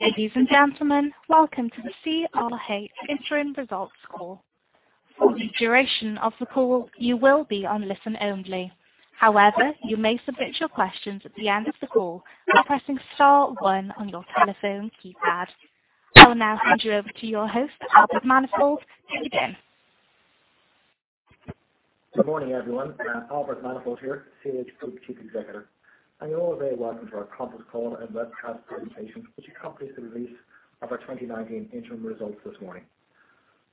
Ladies and gentlemen, welcome to the CRH Interim Results Call. For the duration of the call, you will be on listen only. However, you may submit your questions at the end of the call by pressing star one on your telephone keypad. I will now hand you over to your host, Albert Manifold. Thank you. Good morning, everyone. Albert Manifold here, CRH Group Chief Executive. You're all very welcome to our conference call and webcast presentation, which accompanies the release of our 2019 interim results this morning.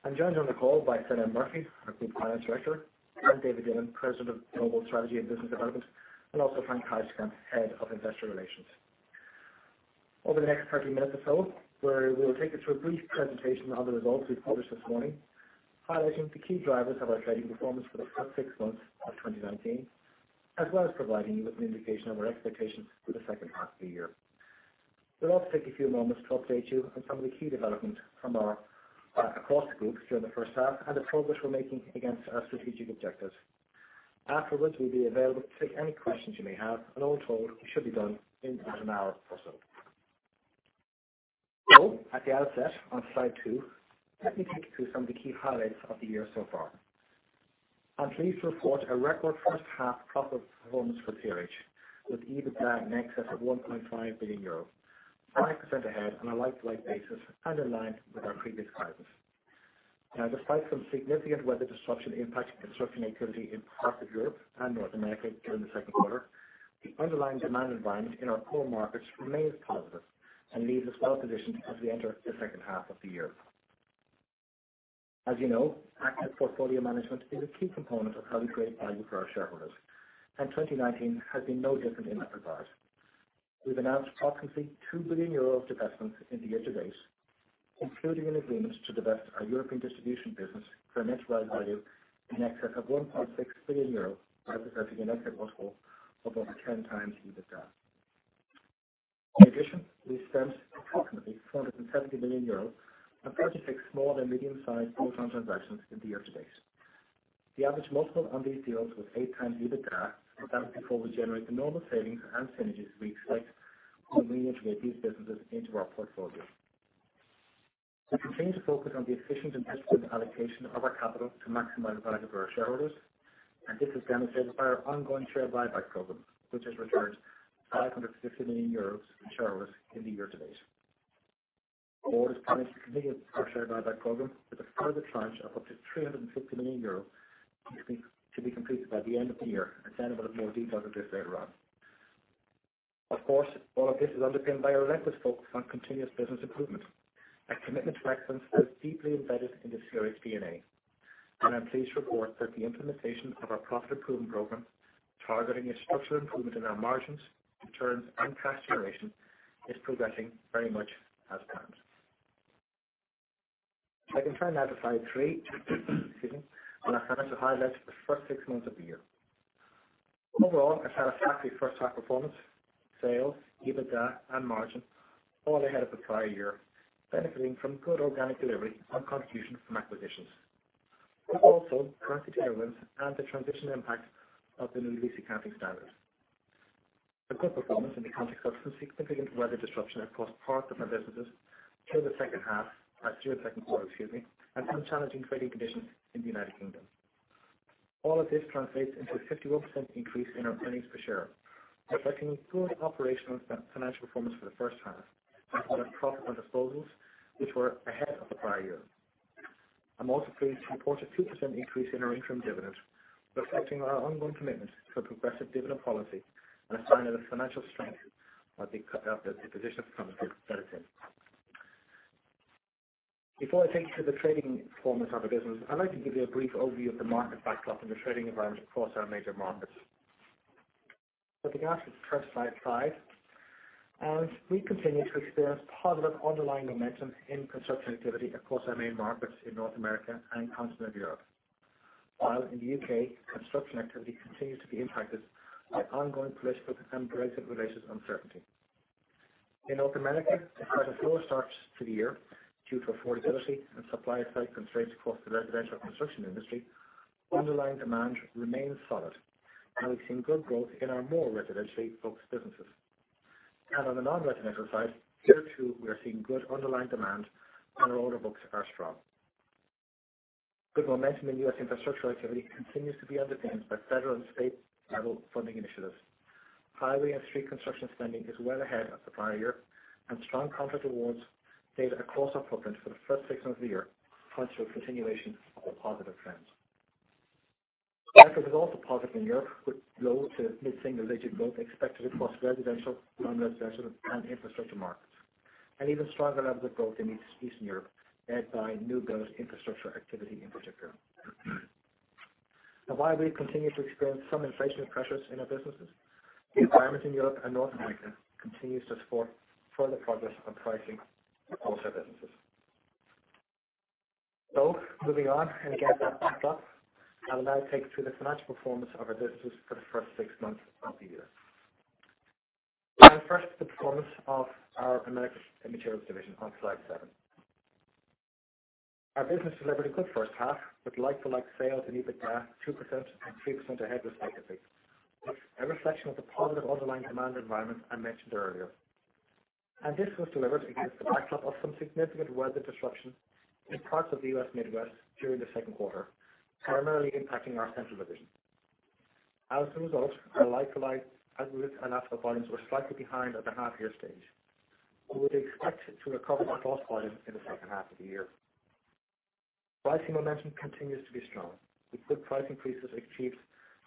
I'm joined on the call by Senan Murphy, our Group Finance Director, and David Dillon, President of Global Strategy and Business Development, and also Frank Heisterkamp, Head of Investor Relations. Over the next 30 minutes or so, we will take you through a brief presentation on the results we've published this morning, highlighting the key drivers of our trading performance for the first six months of 2019, as well as providing you with an indication of our expectations for the second half of the year. We'll also take a few moments to update you on some of the key developments across the group during the first half and the progress we're making against our strategic objectives. Afterwards, we'll be available to take any questions you may have, and all told, we should be done in under an hour or so. At the outset, on slide two, let me take you through some of the key highlights of the year so far. I'm pleased to report a record first half profit performance for CRH, with EBITDA in excess of 1.5 billion euro, 5% ahead on a like-to-like basis and in line with our previous guidance. Now, despite some significant weather disruption impacting construction activity in parts of Europe and North America during the second quarter, the underlying demand environment in our core markets remains positive and leaves us well-positioned as we enter the second half of the year. As you know, active portfolio management is a key component of how we create value for our shareholders, and 2019 has been no different in that regard. We've announced approximately 2 billion euros of divestments in the year to date, including an agreement to divest our Europe Distribution business for a net realizable value in excess of 1.6 billion euros, representing an exit multiple of over 10 times EBITDA. We spent approximately 470 million euros on 36 small- to medium-sized bolt-on transactions in the year to date. The average multiple on these deals was 8 times EBITDA, that's before we generate the normal savings and synergies we expect when we integrate these businesses into our portfolio. We continue to focus on the efficient and disciplined allocation of our capital to maximize value for our shareholders, this is demonstrated by our ongoing share buyback program, which has returned 550 million euros to shareholders in the year to date. The board has committed to our share buyback program with a further tranche of up to 350 million euros to be completed by the end of the year. Senan will have more details on this later on. Of course, all of this is underpinned by our relentless focus on continuous business improvement. Our commitment to excellence is deeply embedded in the CRH DNA, and I'm pleased to report that the implementation of our profit improvement program, targeting a structural improvement in our margins, returns, and cash generation, is progressing very much as planned. If I can turn now to slide three, excuse me. I'm happy to highlight the first six months of the year. Overall, it's had a satisfactory first half performance. Sales, EBITDA, and margin all ahead of the prior year, benefiting from good organic delivery and contributions from acquisitions. We've also corrected headwinds and the transitional impact of the new leasing accounting standards. A good performance in the context of some significant weather disruption across parts of our businesses during the second quarter, and some challenging trading conditions in the U.K. All of this translates into a 51% increase in our earnings per share, reflecting good operational and financial performance for the first half and a better profit on disposals, which were ahead of the prior year. I'm also pleased to report a 2% increase in our interim dividend, reflecting our ongoing commitment to a progressive dividend policy and a sign of the financial strength of the position the company is in. Before I take you through the trading performance of the business, I'd like to give you a brief overview of the market backdrop and the trading environment across our major markets. If we can go to the first slide five. As we continue to experience positive underlying momentum in construction activity across our main markets in North America and continental Europe. While in the U.K., construction activity continues to be impacted by ongoing political and Brexit-related uncertainty. In North America, despite a slower start to the year due to affordability and supply site constraints across the residential construction industry, underlying demand remains solid, and we've seen good growth in our more residentially focused businesses. On the non-residential side, here too, we are seeing good underlying demand, and our order books are strong. Good momentum in U.S. infrastructure activity continues to be underpinned by federal and state-level funding initiatives. Highway and street construction spending is well ahead of the prior year, and strong contract awards gave a closer footprint for the first six months of the year, pointing to a continuation of the positive trends. Outlook is also positive in Europe, with low to mid-single-digit growth expected across residential, non-residential, and infrastructure markets, and even stronger levels of growth in Eastern Europe, led by new build infrastructure activity in particular. While we continue to experience some inflationary pressures in our businesses, the environment in Europe and North America continues to support further progress on pricing across our businesses. Moving on and get that backed up. I will now take you through the financial performance of our businesses for the first six months of the year. First, the performance of our Americas Materials division on slide seven. Our business delivered a good first half with like-to-like sales and EBITDA 2% and 3% ahead, respectively. A reflection of the positive underlying demand environment I mentioned earlier. This was delivered against the backdrop of some significant weather disruption in parts of the U.S. Midwest during the second quarter, primarily impacting our central division. As a result, our like-to-like aggregate and asphalt volumes were slightly behind at the half-year stage. We would expect to recover lost volumes in the second half of the year. Pricing momentum continues to be strong with good price increases achieved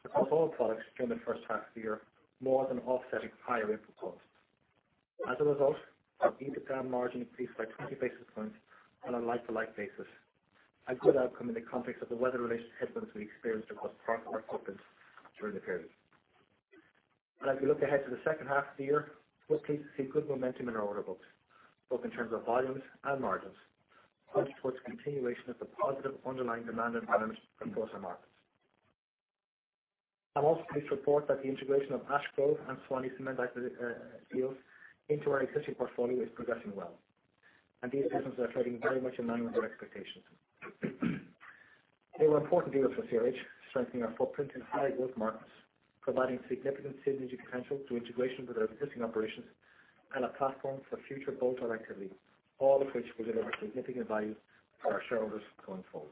across all products during the first half of the year, more than offsetting higher input costs. As a result, our EBITDA margin increased by 20 basis points on a like-to-like basis, a good outcome in the context of the weather-related headwinds we experienced across parts of our footprint during the period. As we look ahead to the second half of the year, we'll see good momentum in our order books, both in terms of volumes and margins, which supports continuation of the positive underlying demand environment across our markets. I'm also pleased to report that the integration of Ash Grove and Suwannee Cement activity deals into our existing portfolio is progressing well, and these businesses are trading very much in line with our expectations. They were important deals for CRH, strengthening our footprint in high-growth markets, providing significant synergy potential through integration with our existing operations and a platform for future bolt-on activity, all of which will deliver significant value for our shareholders going forward.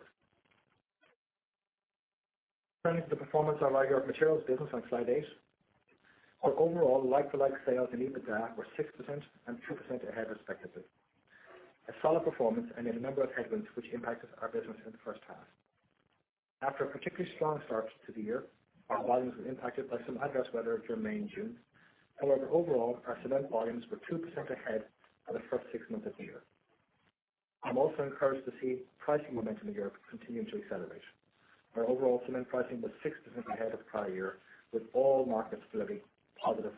Turning to the performance of our Europe Materials business on slide eight. Our overall like-to-like sales and EBITDA were 6% and 2% ahead respectively. A solid performance and in a number of headwinds which impacted our business in the first half. After a particularly strong start to the year, our volumes were impacted by some adverse weather during May and June. However, overall, our cement volumes were 2% ahead for the first six months of the year. I'm also encouraged to see pricing momentum in Europe continuing to accelerate. Our overall cement pricing was 6% ahead of prior year, with all markets delivering positive pricing movements. However,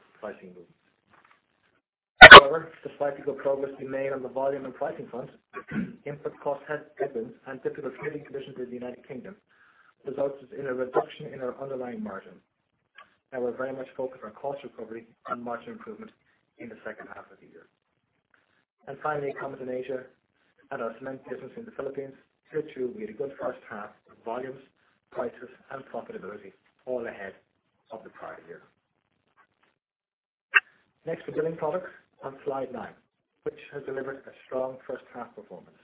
despite the good progress we made on the volume and pricing front, input cost headwinds and difficult trading conditions in the United Kingdom resulted in a reduction in our underlying margin. We're very much focused on cost recovery and margin improvement in the second half of the year. Finally, Comex in Asia and our cement business in the Philippines, here too, we had a good first half with volumes, prices, and profitability all ahead of the prior year. For Building Products on slide nine, which has delivered a strong first half performance.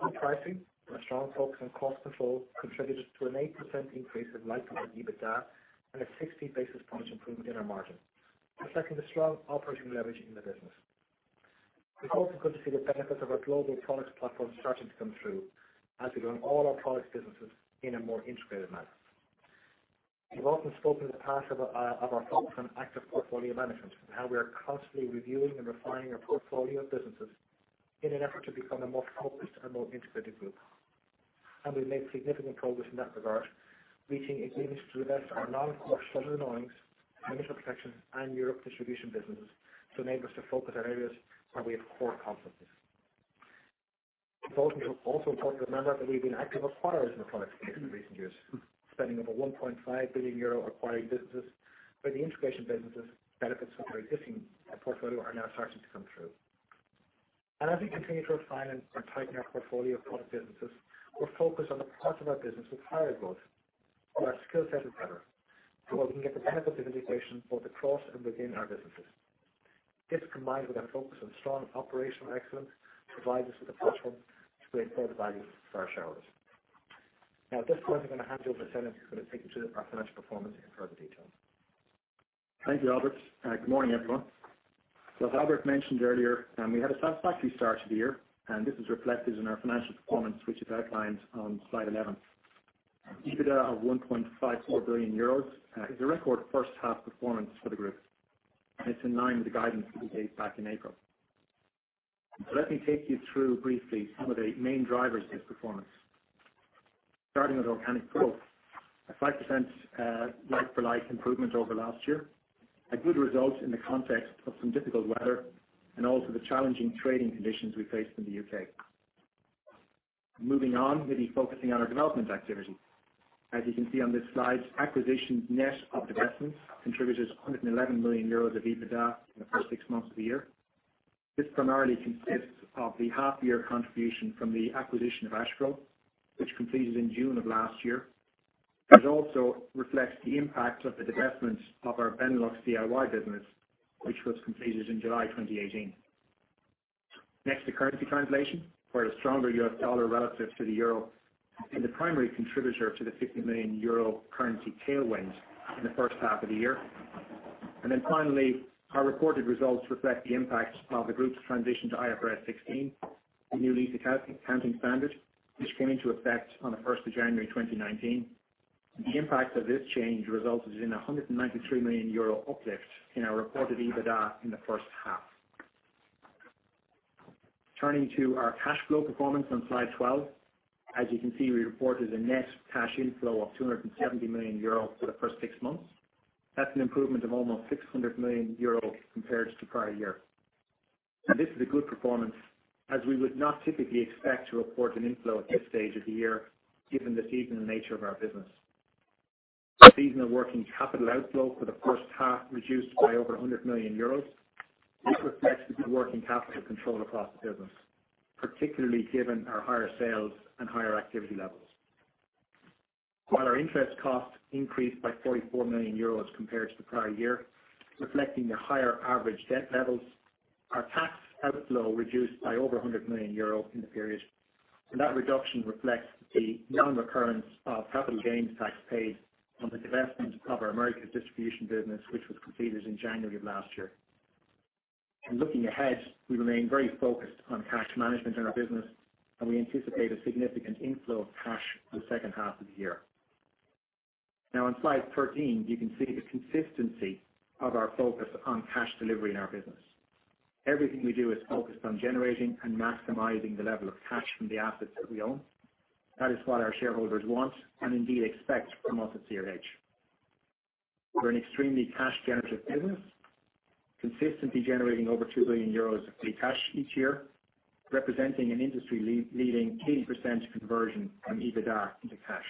Good pricing and a strong focus on cost control contributed to an 8% increase in like-to-like EBITDA and a 60 basis points improvement in our margin, reflecting the strong operating leverage in the business. It's also good to see the benefits of our global products platform starting to come through as we run all our products businesses in a more integrated manner. We've often spoken in the past of our focus on active portfolio management and how we are constantly reviewing and refining our portfolio of businesses in an effort to become a more focused and more integrated group. We've made significant progress in that regard, reaching agreements to divest our non-core Shutters & Awnings, Perimeter Protection, and Europe Distribution businesses to enable us to focus on areas where we have core competencies. It's also important to remember that we've been active acquirers in the products space in recent years, spending over 1.5 billion euro acquiring businesses, where the integration businesses benefits from our existing portfolio are now starting to come through. As we continue to refine and tighten our portfolio of product businesses, we're focused on the parts of our business with higher growth where our skill set is better, and where we can get the benefit of integration both across and within our businesses. This, combined with our focus on strong operational excellence, provides us with a platform to create further value for our shareholders. At this point, I'm going to hand you over to Senan, who's going to take you through our financial performance in further detail. Thank you, Albert. Good morning, everyone. As Albert mentioned earlier, we had a satisfactory start to the year, and this is reflected in our financial performance, which is outlined on slide 11. EBITDA of 1.54 billion euros is a record first half performance for the group, and it's in line with the guidance that we gave back in April. Let me take you through briefly some of the main drivers of this performance. Starting with organic growth, a 5% like-for-like improvement over last year. A good result in the context of some difficult weather and also the challenging trading conditions we faced in the U.K. Moving on, maybe focusing on our development activity. As you can see on this slide, acquisitions net of divestments contributed 111 million euros of EBITDA in the first six months of the year. This primarily consists of the half-year contribution from the acquisition of Ash Grove, which completed in June of last year. It also reflects the impact of the divestment of our Benelux DIY business, which was completed in July 2018. Next to currency translation, where a stronger U.S. dollar relative to the euro is the primary contributor to the 50 million euro currency tailwind in the first half of the year. Finally, our reported results reflect the impact of the group's transition to IFRS 16, the new lease accounting standard, which came into effect on the 1st of January 2019. The impact of this change resulted in a 193 million euro uplift in our reported EBITDA in the first half. Turning to our cash flow performance on slide 12. As you can see, we reported a net cash inflow of 270 million euro for the first six months. That's an improvement of almost 600 million euro compared to prior year. This is a good performance as we would not typically expect to report an inflow at this stage of the year given the seasonal nature of our business. Our seasonal working capital outflow for the first half reduced by over 100 million euros. This reflects the good working capital control across the business, particularly given our higher sales and higher activity levels. While our interest costs increased by 44 million euros compared to the prior year, reflecting the higher average debt levels, our tax outflow reduced by over 100 million euro in the period. That reduction reflects the non-recurrence of property gains tax paid on the divestment of our Americas Distribution business, which was completed in January of last year. Looking ahead, we remain very focused on cash management in our business, and we anticipate a significant inflow of cash in the second half of the year. On slide 13, you can see the consistency of our focus on cash delivery in our business. Everything we do is focused on generating and maximizing the level of cash from the assets that we own. That is what our shareholders want, and indeed expect from us at CRH. We are an extremely cash generative business, consistently generating over 2 billion euros of free cash each year, representing an industry leading 80% conversion from EBITDA into cash.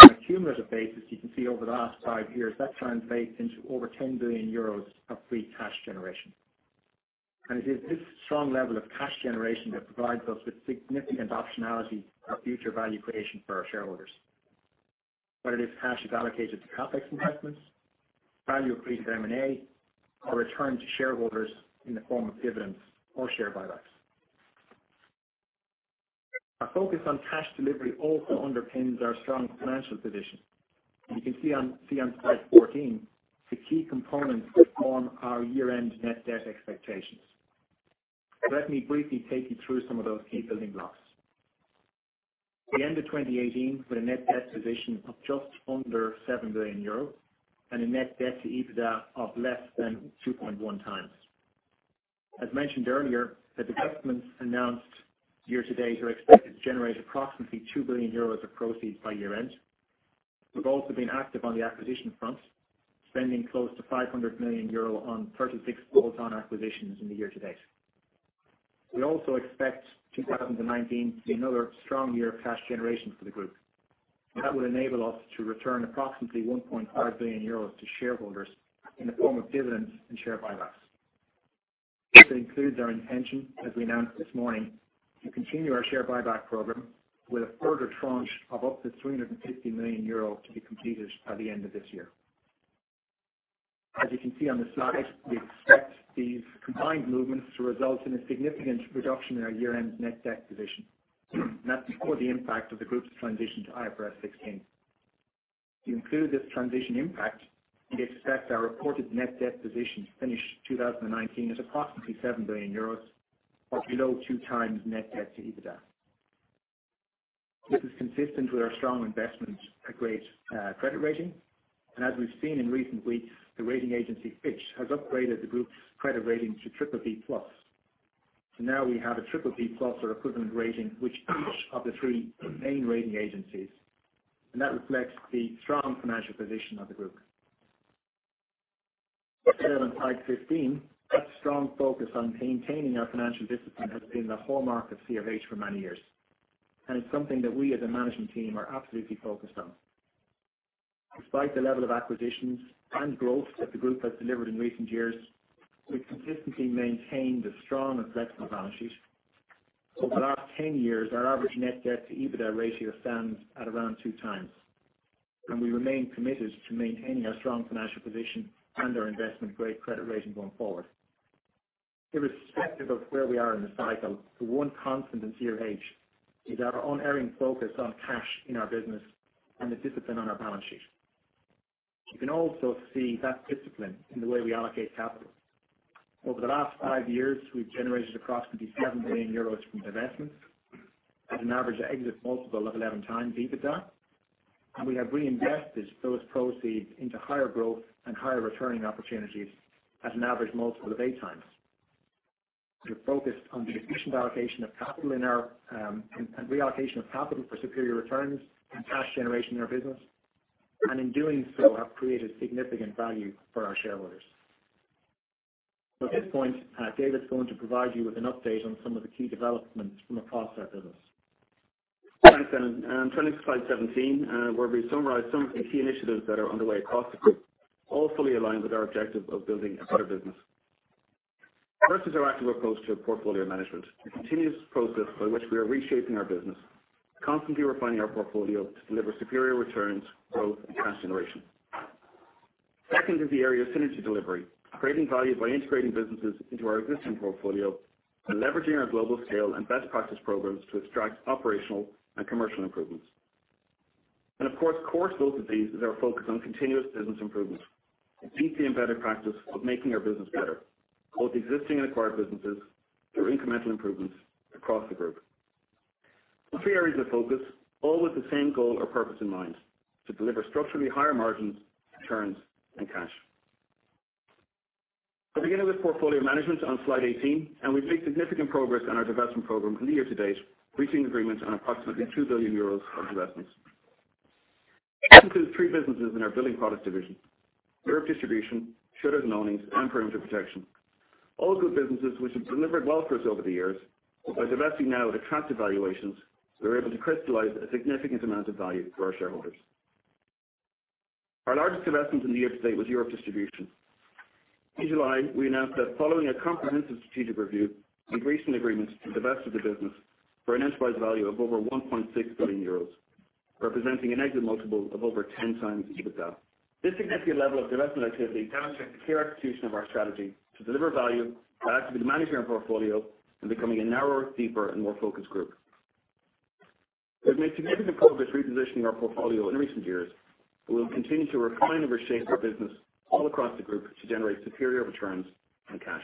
On a cumulative basis, you can see over the last five years that translates into over 10 billion euros of free cash generation. It is this strong level of cash generation that provides us with significant optionality for future value creation for our shareholders. Whether this cash is allocated to CapEx investments, value accretive M&A, or returned to shareholders in the form of dividends or share buybacks. Our focus on cash delivery also underpins our strong financial position. You can see on slide 14 the key components that form our year-end net debt expectations. Let me briefly take you through some of those key building blocks. We ended 2018 with a net debt position of just under 7 billion euros and a net debt to EBITDA of less than 2.1 times. As mentioned earlier, the divestments announced year to date are expected to generate approximately 2 billion euros of proceeds by year-end. We've also been active on the acquisition front, spending close to 500 million euro on 36 bolt-on acquisitions in the year to date. We also expect 2019 to be another strong year of cash generation for the group. That will enable us to return approximately €1.5 billion to shareholders in the form of dividends and share buybacks. This includes our intention, as we announced this morning, to continue our share buyback program with a further tranche of up to €350 million to be completed by the end of this year. As you can see on the slide, we expect these combined movements to result in a significant reduction in our year-end net debt position. That's before the impact of the group's transition to IFRS 16. To include this transition impact, we expect our reported net debt position to finish 2019 at approximately €7 billion or below two times net debt to EBITDA. This is consistent with our strong investment-grade credit rating, and as we have seen in recent weeks, the rating agency Fitch has upgraded the group's credit rating to BBB+. Now we have a BBB+ or equivalent rating with each of the three main rating agencies, and that reflects the strong financial position of the group. As shown on slide 15, that strong focus on maintaining our financial discipline has been the hallmark of CRH for many years, and it is something that we as a management team are absolutely focused on. Despite the level of acquisitions and growth that the group has delivered in recent years, we have consistently maintained a strong and flexible balance sheet. Over the last 10 years, our average net debt to EBITDA ratio stands at around two times, and we remain committed to maintaining our strong financial position and our investment-grade credit rating going forward. Irrespective of where we are in the cycle, the one constant in CRH is our unerring focus on cash in our business and the discipline on our balance sheet. You can also see that discipline in the way we allocate capital. Over the last five years, we've generated approximately 7 billion euros from divestments at an average exit multiple of 11x EBITDA, and we have reinvested those proceeds into higher growth and higher returning opportunities at an average multiple of 8x. We have focused on the efficient allocation of capital and reallocation of capital for superior returns and cash generation in our business, and in doing so, have created significant value for our shareholders. At this point, David's going to provide you with an update on some of the key developments from across our business. Thanks, Albert. Turning to slide 17, where we summarize some of the key initiatives that are underway across the group, all fully aligned with our objective of building a better business. First is our active approach to portfolio management, a continuous process by which we are reshaping our business, constantly refining our portfolio to deliver superior returns, growth, and cash generation. Second is the area of synergy delivery, creating value by integrating businesses into our existing portfolio and leveraging our global scale and best practice programs to extract operational and commercial improvements. Of course, core to both of these is our focus on continuous business improvement, a deeply embedded practice of making our business better, both existing and acquired businesses, through incremental improvements across the group. Three areas of focus, all with the same goal or purpose in mind: to deliver structurally higher margins, returns, and cash. I'll begin with portfolio management on slide 18. We've made significant progress on our divestment program in the year to date, reaching agreements on approximately 2 billion euros of divestments. This includes three businesses in our Building Products division, Europe Distribution, Shutters & Awnings, and Perimeter Protection. All good businesses which have delivered well for us over the years, by divesting now at attractive valuations, we're able to crystallize a significant amount of value for our shareholders. Our largest divestment in the year to date was Europe Distribution. In July, we announced that following a comprehensive strategic review, we've reached an agreement to divest of the business for an enterprise value of over 1.6 billion euros, representing an exit multiple of over 10x EBITDA. This significant level of divestment activity demonstrates the clear execution of our strategy to deliver value by active management of portfolio and becoming a narrower, deeper, and more focused group. We have made significant progress repositioning our portfolio in recent years. We will continue to refine and reshape our business all across the group to generate superior returns and cash.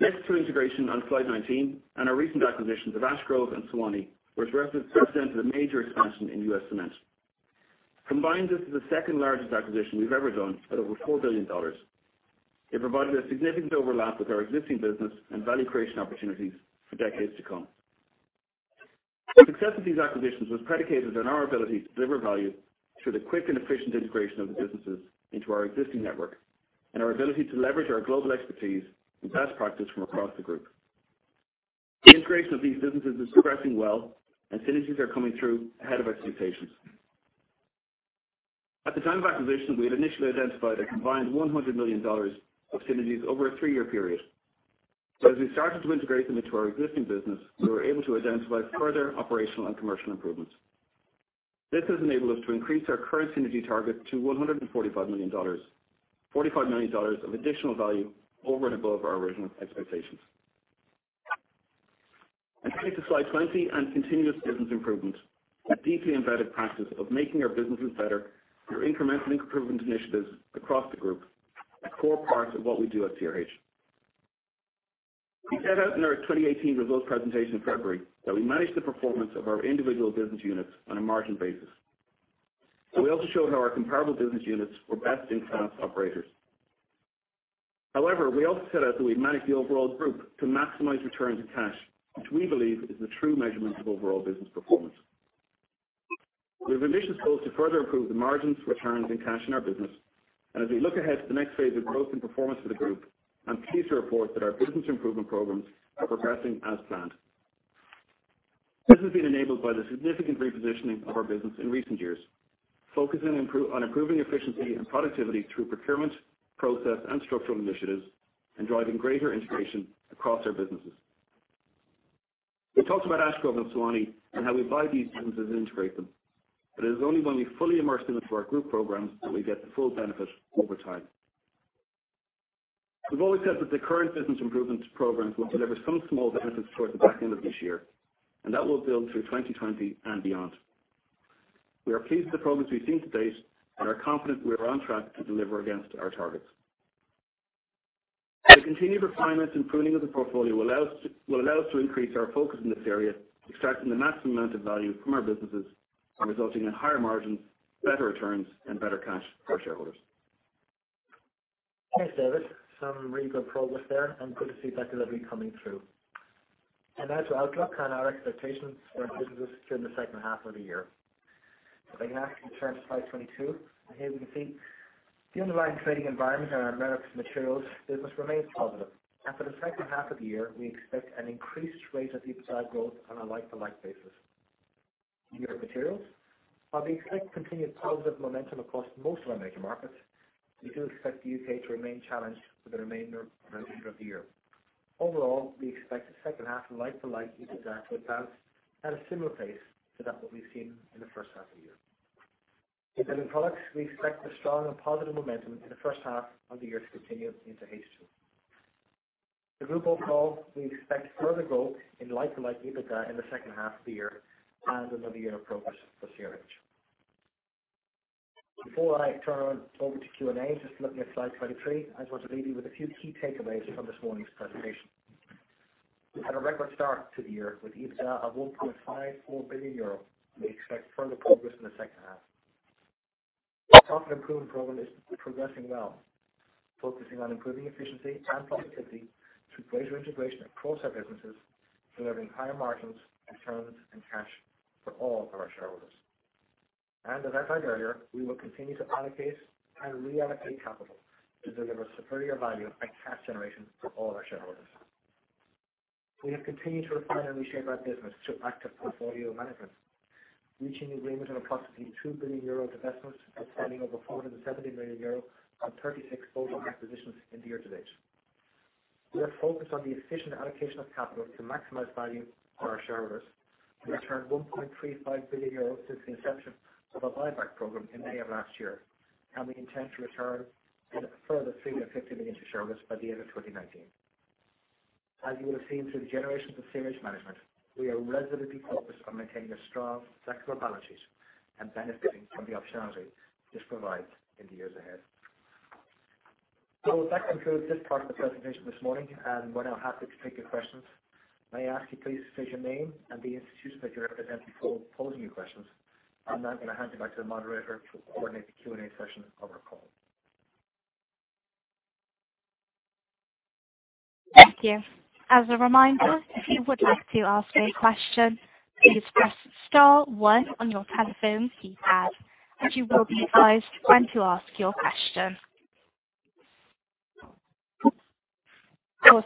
Next to integration on slide 19, and our recent acquisitions of Ash Grove and Suwannee, which represented a major expansion in US Cement. Combined, this is the second largest acquisition we've ever done at over $4 billion. It provided a significant overlap with our existing business and value creation opportunities for decades to come. The success of these acquisitions was predicated on our ability to deliver value through the quick and efficient integration of the businesses into our existing network and our ability to leverage our global expertise and best practice from across the group. The integration of these businesses is progressing well and synergies are coming through ahead of expectations. At the time of acquisition, we had initially identified a combined $100 million of synergies over a three-year period. As we started to integrate them into our existing business, we were able to identify further operational and commercial improvements. This has enabled us to increase our current synergy target to $145 million, $45 million of additional value over and above our original expectations. To slide 20 on continuous business improvement, a deeply embedded practice of making our businesses better through incremental improvement initiatives across the group, a core part of what we do at CRH. We set out in our 2018 results presentation in February that we manage the performance of our individual business units on a margin basis. We also showed how our comparable business units were best-in-class operators. However, we also set out that we manage the overall group to maximize returns and cash, which we believe is the true measurement of overall business performance. We have ambitious goals to further improve the margins, returns, and cash in our business. As we look ahead to the next phase of growth and performance for the group, I'm pleased to report that our business improvement programs are progressing as planned. This has been enabled by the significant repositioning of our business in recent years, focusing on improving efficiency and productivity through procurement, process, and structural initiatives, and driving greater integration across our businesses. We talked about Ash Grove and Suwannee and how we buy these businesses and integrate them. It is only when we fully immerse them into our group programs that we get the full benefit over time. We've always said that the current business improvements programs will deliver some small benefits towards the back end of this year, and that will build through 2020 and beyond. We are pleased with the progress we've seen to date and are confident we are on track to deliver against our targets. The continued refinement and pruning of the portfolio will allow us to increase our focus in this area, extracting the maximum amount of value from our businesses and resulting in higher margins, better returns, and better cash for our shareholders. Thanks, David. Some really good progress there, and good to see that delivery coming through. Now to outlook and our expectations for our businesses during the second half of the year. If I can ask you to turn to slide 22. Here we can see the underlying trading environment in our Americas Materials business remains positive. For the second half of the year, we expect an increased rate of EBITDA growth on a like-to-like basis. In Europe Materials, while we expect continued positive momentum across most of our major markets, we do expect the U.K. to remain challenged for the remainder of the year. Overall, we expect second half like-to-like EBITDA to advance at a similar pace to that what we've seen in the first half of the year. In Building Products, we expect the strong and positive momentum in the first half of the year to continue into H2. For group overall, we expect further growth in like-to-like EBITDA in the second half of the year and another year of progress for CRH. Before I turn over to Q&A, just looking at slide 23, I just want to leave you with a few key takeaways from this morning's presentation. We've had a record start to the year with EBITDA of 1.54 billion euro, and we expect further progress in the second half. Our profit improvement program is progressing well, focusing on improving efficiency and productivity through greater integration across our businesses, delivering higher margins, returns, and cash for all of our shareholders. As I said earlier, we will continue to allocate and reallocate capital to deliver superior value and cash generation for all our shareholders. We have continued to refine and reshape our business through active portfolio management, reaching agreement on approximately 2 billion euro divestments and signing over 470 million euro on 36 bolt-on acquisitions in the year to date. We are focused on the efficient allocation of capital to maximize value for our shareholders. We returned 1.35 billion euros since the inception of our buyback program in May of last year, and we intend to return a further $350 million to shareholders by the end of 2019. As you will have seen through the generations of CRH management, we are resolutely focused on maintaining a strong, flexible balance sheet and benefiting from the optionality this provides in the years ahead. That concludes this part of the presentation this morning, and we're now happy to take your questions. May I ask you please to state your name and the institution that you represent before posing your questions. I'm now going to hand you back to the moderator to coordinate the Q&A session of our call. Thank you. As a reminder, if you would like to ask a question, please press star one on your telephone keypad, and you will be advised when to ask your question.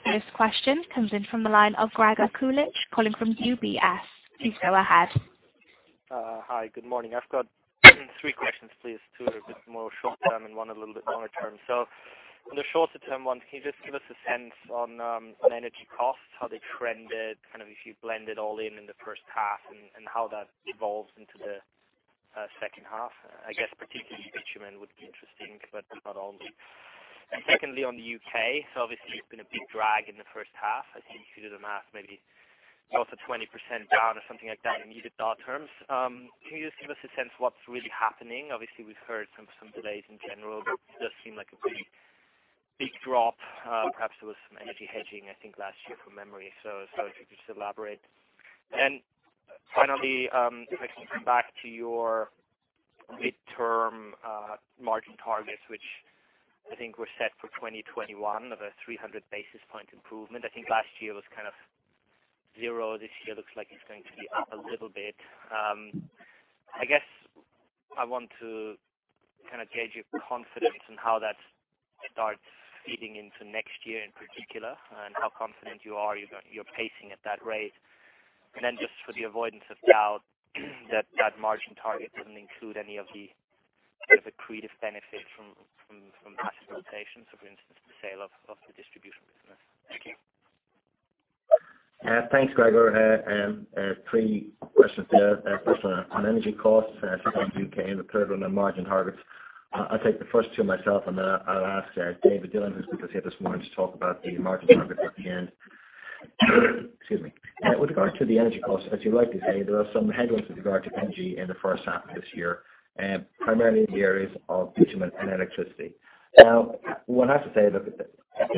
This question comes in from the line of Gregor Kuglicz, calling from UBS. Please go ahead. Hi, good morning. I've got three questions, please. Two are a bit more short-term and one a little bit longer term. On the shorter-term one, can you just give us a sense on energy costs, how they trended, if you blend it all in in the first half and how that evolves into the second half? I guess particularly bitumen would be interesting, but not only. Secondly, on the U.K., obviously it's been a big drag in the first half. I think if you do the math, maybe it was a 20% down or something like that in EBITDA terms. Can you just give us a sense of what's really happening? Obviously, we've heard some delays in general, but it does seem like a big drop. Perhaps there was some energy hedging, I think, last year from memory. If you could just elaborate. Finally, if I can come back to your midterm margin targets, which I think were set for 2021 of a 300 basis point improvement. I think last year was kind of zero. This year looks like it's going to be up a little bit. I guess I want to kind of gauge your confidence in how that starts feeding into next year in particular and how confident you are you're pacing at that rate. Then just for the avoidance of doubt, that margin target doesn't include any of the sort of accretive benefit from asset rotations. So for instance, the sale of the distribution business. Thank you. Thanks, Gregor. Three questions there. First one on energy costs, second on the U.K., the third one on margin targets. I'll take the first two myself, then I'll ask David Dillon, who's with us here this morning to talk about the margin target at the end. Excuse me. With regard to the energy costs, as you rightly say, there are some headwinds with regard to energy in the first half of this year, primarily in the areas of bitumen and electricity. Now, one has to say, look,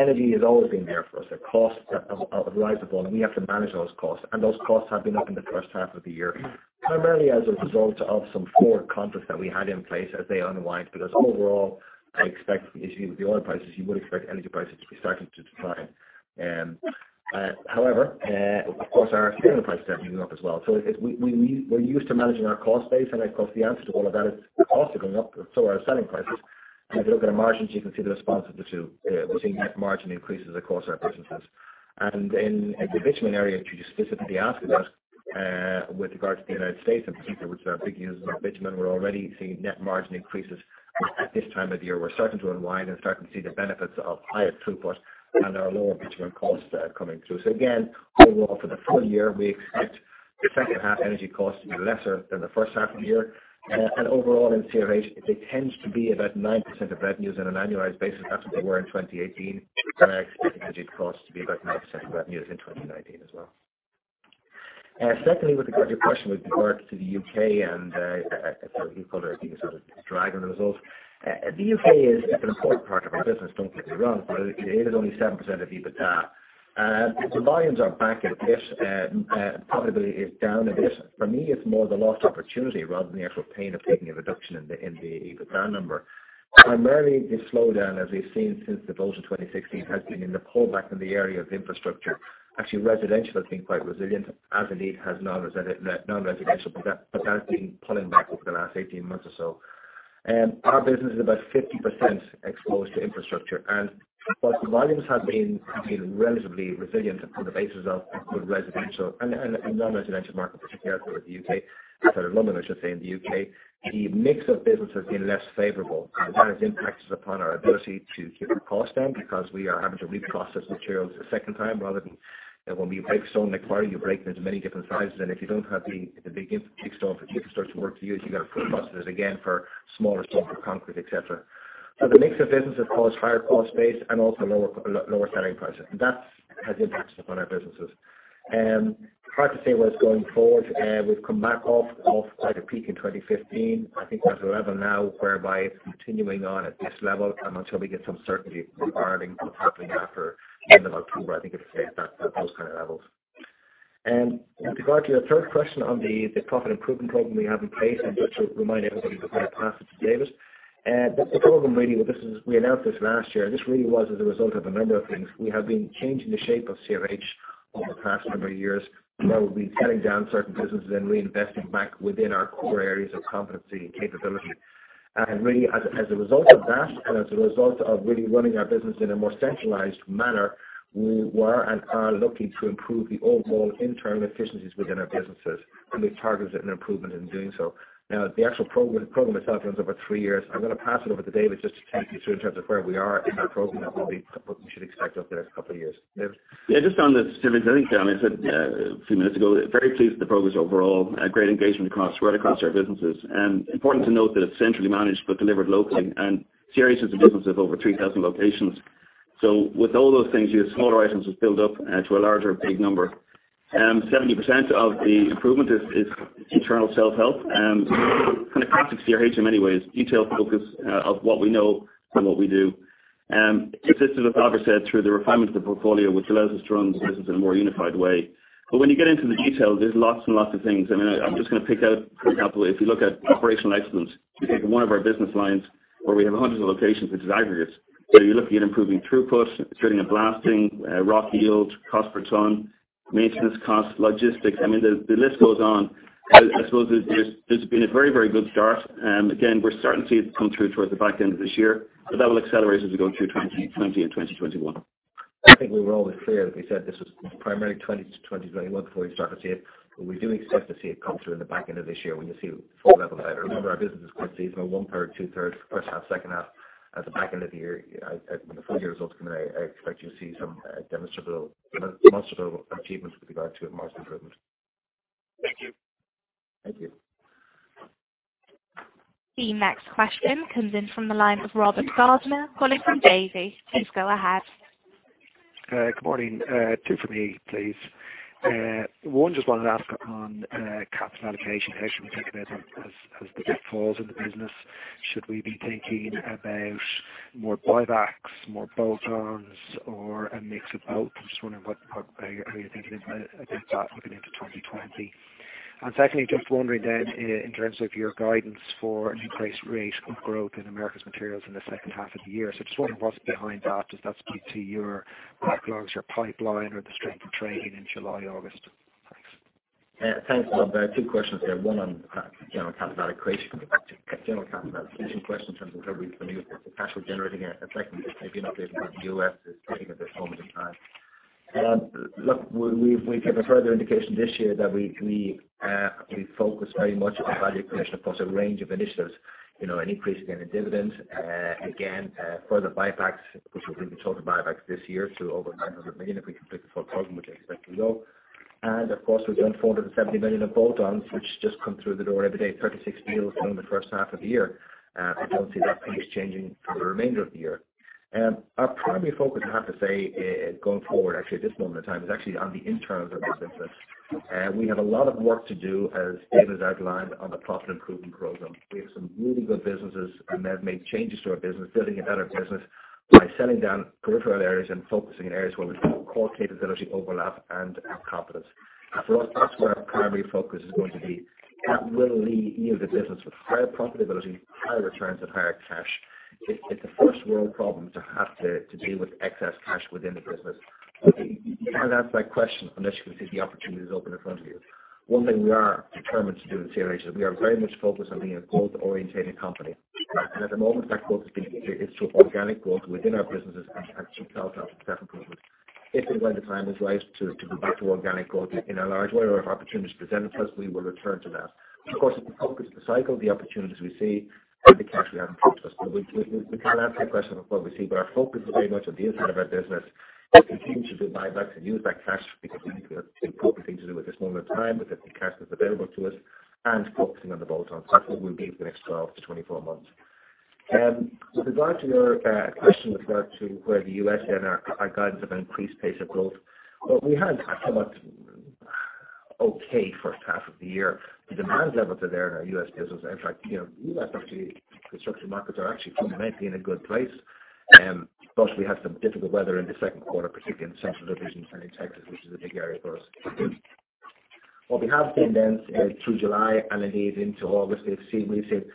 energy has always been there for us. The costs are volatile, we have to manage those costs, those costs have been up in the first half of the year, primarily as a result of some forward contracts that we had in place as they unwind. Overall, I expect if you view the oil prices, you would expect energy prices to be starting to decline. Of course, our selling prices are moving up as well. We're used to managing our cost base. Of course, the answer to all of that is the costs are going up, so are our selling prices. If you look at our margins, you can see the response of the two. We're seeing net margin increases across our businesses. In the bitumen area, which you specifically asked about, with regard to the United States in particular, which is our big user of bitumen, we're already seeing net margin increases at this time of the year. We're starting to unwind and starting to see the benefits of higher throughput and our lower bitumen costs coming through. Again, overall for the full year, we expect the second half energy costs to be lesser than the first half of the year. Overall in CRH, they tend to be about 9% of revenues on an annualized basis. That's what they were in 2018, and I expect energy costs to be about 9% of revenues in 2019 as well. Secondly, with regard to your question with regard to the U.K. and you called it, I think a sort of drag on the results. The U.K. is an important part of our business, don't get me wrong, but it is only 7% of EBITDA. Volumes are back a bit, and profitability is down a bit. For me, it's more the lost opportunity rather than the actual pain of taking a reduction in the EBITDA number. Primarily, the slowdown, as we've seen since the vote of 2016, has been in the pullback in the area of infrastructure. Actually, residential has been quite resilient, as indeed has non-residential, but that has been pulling back over the last 18 months or so. Our business is about 50% exposed to infrastructure. While the volumes have been relatively resilient on the basis of good residential and non-residential market, particularly out there in the U.K., sorry, London, I should say, in the U.K., the mix of business has been less favorable. That has impacted upon our ability to keep our costs down because we are having to reprocess materials a second time rather than when we break stone in a quarry, you break them into many different sizes. If you don't have the big stones, which infrastructure work use, you got to process it again for smaller stones for concrete, et cetera. The mix of business has caused higher cost base and also lower selling prices, and that has impacted upon our businesses. Hard to say where it's going forward. We've come back off quite a peak in 2015. I think we're at a level now whereby it's continuing on at this level, and until we get some certainty regarding what's happening after the end of October, I think it'll stay at those kind of levels. With regard to your third question on the profit improvement program we have in place, and just to remind everybody before I pass it to David. The program really, we announced this last year. This really was as a result of a number of things. We have been changing the shape of CRH over the past number of years, where we've been selling down certain businesses and reinvesting back within our core areas of competency and capability. Really, as a result of that and as a result of really running our business in a more centralized manner, we were and are looking to improve the overall internal efficiencies within our businesses and the targets and improvement in doing so. The actual program itself runs over three years. I'm going to pass it over to David just to take you through in terms of where we are in that program and what we should expect over the next couple of years. David? Yeah, just on this, I think Albert said a few minutes ago, very pleased with the progress overall. Great engagement right across our businesses. Important to note that it's centrally managed but delivered locally, and CRH is a business of over 3,000 locations. With all those things, your smaller items just build up to a larger, big number. 70% of the improvement is internal self-help and kind of classic CRH in many ways, detailed focus of what we know and what we do. It's this, as Albert said, through the refinement of the portfolio, which allows us to run the business in a more unified way. When you get into the detail, there's lots and lots of things. I mean, I'm just going to pick out a couple. If you look at operational excellence, if you take one of our business lines where we have hundreds of locations, which is aggregates, where you're looking at improving throughput, shooting and blasting, rock yield, cost per ton. Maintenance costs, logistics. I mean, the list goes on. I suppose there's been a very good start. We're starting to see it come through towards the back end of this year, that will accelerate as we go through 2020 and 2021. I think we were always clear that we said this was primarily 2020, 2021 before you start to see it. We do expect to see it come through in the back end of this year when you see full level. Remember, our business is quite seasonal, one-third, two-thirds, first half, second half. At the back end of the year, when the full year results come out, I expect you'll see some demonstrable achievements with regard to margin improvement. Thank you. Thank you. The next question comes in from the line of Robert Gardiner, calling from Davy. Please go ahead. Good morning. Two for me, please. One, just wanted to ask upon capital allocation, how should we think about as the debt falls in the business? Should we be thinking about more buybacks, more bolt-ons, or a mix of both? I'm just wondering how you're thinking about that looking into 2020. Secondly, just wondering then, in terms of your guidance for an increased rate of growth in Americas Materials in the second half of the year. Just wondering what's behind that. Does that speak to your backlogs, your pipeline, or the strength of trading in July, August? Thanks. Thanks, Rob. Two questions there. One on the general capital allocation question in terms of how we can use the cash we're generating, and secondly, just maybe an update on the U.S. trading at this moment in time. We gave a further indication this year that we focus very much on value creation across a range of initiatives. An increase again in dividends. Again, further buybacks, which will bring the total buybacks this year to over $900 million if we complete the full program, which I expect we will. And of course, we've done $470 million of bolt-ons, which just come through the door every day, 36 deals done in the first half of the year. I don't see that pace changing for the remainder of the year. Our primary focus, I have to say, going forward, actually at this moment in time, is actually on the internals of the business. We have a lot of work to do, as David has outlined, on the profit improvement program. We have some really good businesses, and they have made changes to our business, building a better business by selling down peripheral areas and focusing in areas where we've got core capability overlap and competence. For us, that's where our primary focus is going to be. That will leave the business with higher profitability, higher returns, and higher cash. It's a first-world problem to have to deal with excess cash within the business. You can't answer that question unless you can see the opportunities open in front of you. One thing we are determined to do in CRH is we are very much focused on being a growth-orientated company. At the moment, that growth is through organic growth within our businesses and through bolt-on acquisitions. If and when the time is right to go back to organic growth in our large way or if opportunities present to us, we will return to that. Of course, it's a focus of the cycle, the opportunities we see, and the cash we have in front of us. We can't answer your question of what we see, but our focus is very much on the inside of our business. We continue to do buybacks and use that cash because we think that's the appropriate thing to do at this moment in time with the cash that's available to us, and focusing on the bolt-ons. That's what we'll do for the next 12 to 24 months. With regard to your question with regard to where the U.S. and our guidance of an increased pace of growth, we had a somewhat okay first half of the year. The demand levels are there in our U.S. business. In fact, U.S. construction markets are actually fundamentally in a good place. We had some difficult weather in the second quarter, particularly in the central divisions and in Texas, which is a big area for us. What we have seen through July and indeed into August, we've seen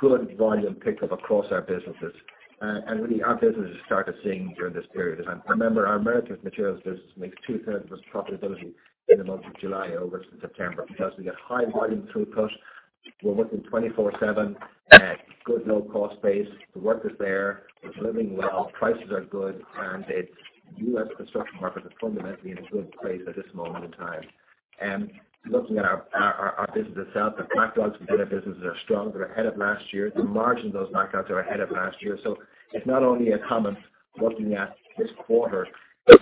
good volume pickup across our businesses. Really our businesses started seeing during this period. Remember, our Americas Materials business makes two-thirds of its profitability in the months of July over to September because we get high volume throughput. We're working 24/7 at good low-cost base. The work is there. It's living well. Prices are good. The U.S. construction market is fundamentally in a good place at this moment in time. Looking at our business itself, the backlogs within our businesses are strong. They're ahead of last year. The margin of those backlogs are ahead of last year. It's not only a comment looking at this quarter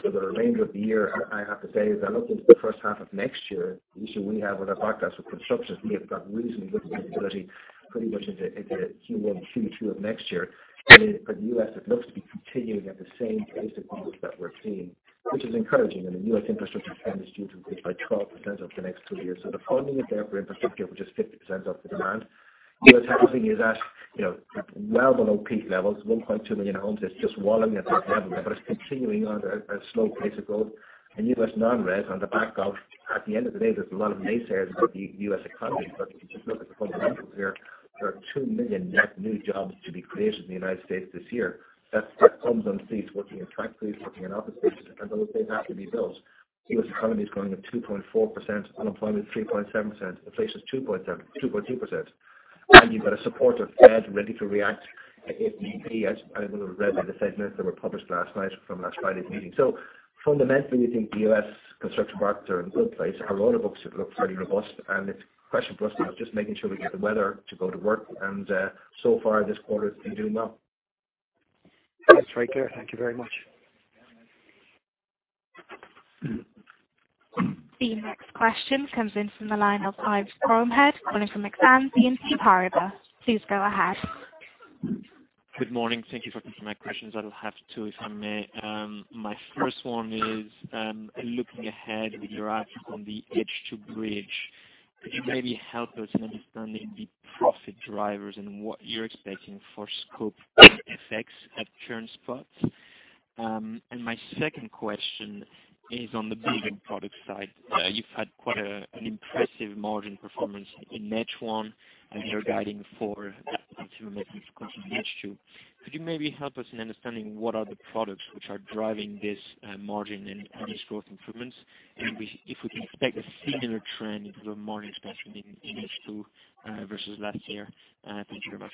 for the remainder of the year, I have to say, as I look into the first half of next year, the issue we have with our backlogs for construction is we have got reasonably good visibility pretty much into Q1 and Q2 of next year. For the U.S., it looks to be continuing at the same pace of growth that we're seeing, which is encouraging. I mean, U.S. infrastructure spend is due to increase by 12% over the next two years. The funding is there for infrastructure, which is 50% of the demand. U.S. housing is at well below peak levels, 1.2 million homes. It's just wallowing at that level there, but it's continuing on a slow pace of growth. U.S. non-res on the back of, at the end of the day, there's a lot of naysayers about the U.S. economy, but if you just look at the fundamentals here, there are 2 million net new jobs to be created in the United States this year. That puts bums on seats, working in truck fleets, working in office spaces, and those things have to be built. U.S. economy is growing at 2.4%, unemployment 3.7%, inflation's 2.2%. You've got a supportive Fed ready to react if need be, as anyone who read the statements that were published last night from last Friday's meeting. Fundamentally, we think the U.S. construction markets are in a good place. Our order books look fairly robust, and the question for us now is just making sure we get the weather to go to work, and so far this quarter it's been doing well. That's very clear. Thank you very much. The next question comes in from the line of Yves Bromehead calling from Exane BNP Paribas. Please go ahead. Good morning. Thank you for taking my questions. I'll have two, if I may. My first one is, looking ahead with your outlook on the H2 bridge, could you maybe help us in understanding the profit drivers and what you're expecting for scope effects at current spots? My second question is on the Building Products side. You've had quite an impressive margin performance in Q1, and you're guiding for Cement making is going to continue in H2. Could you maybe help us in understanding what are the products which are driving this margin and these growth improvements? If we can expect a similar trend in terms of margin expansion in H2 versus last year? Thank you very much.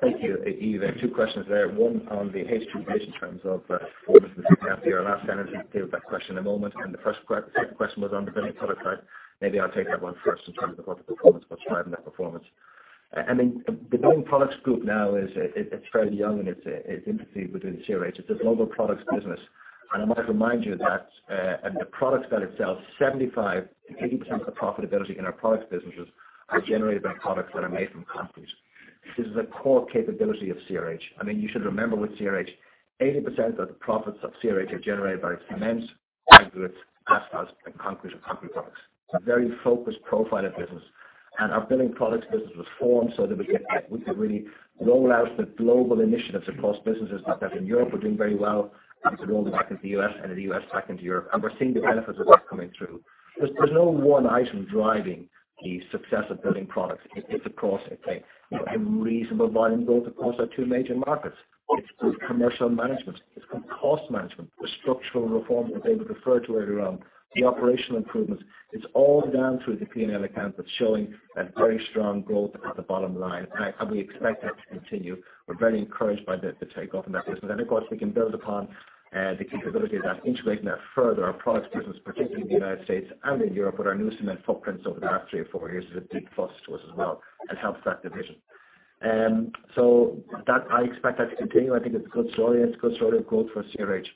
Thank you, Yves. Two questions there. One on the H2 bridge in terms of performance in the second half of the year. I'll ask Andrew to deal with that question in a moment. The second question was on the Building Products side. Maybe I'll take that one first in terms of what's driving that performance. The Building Products group now is fairly young, and it's interspersed within CRH. It's a global products business. I might remind you that in the products that it sells, 75%-80% of the profitability in our products businesses are generated by products that are made from concrete. This is a core capability of CRH. You should remember with CRH, 80% of the profits of CRH are generated by its cements, aggregates, asphalts, and concrete or concrete products. A very focused profile of business. Our Building Products business was formed so that we could really roll out the global initiatives across businesses like that in Europe. We're doing very well to roll them back into the U.S. and in the U.S. back into Europe. We're seeing the benefits of that coming through. There's no one item driving the success of Building Products. It's a reasonable volume build across our two major markets. It's good commercial management. It's good cost management, the structural reforms that David referred to earlier on, the operational improvements. It's all down through the P&L account that's showing a very strong growth at the bottom line, and we expect that to continue. We're very encouraged by the take-off in that business. Of course, we can build upon the capability of that, integrating that further. Our products business, particularly in the U.S. and in Europe with our new cement footprints over the last three or four years, is a big plus to us as well and helps that division. I expect that to continue. I think it's a good story. It's a good story of growth for CRH.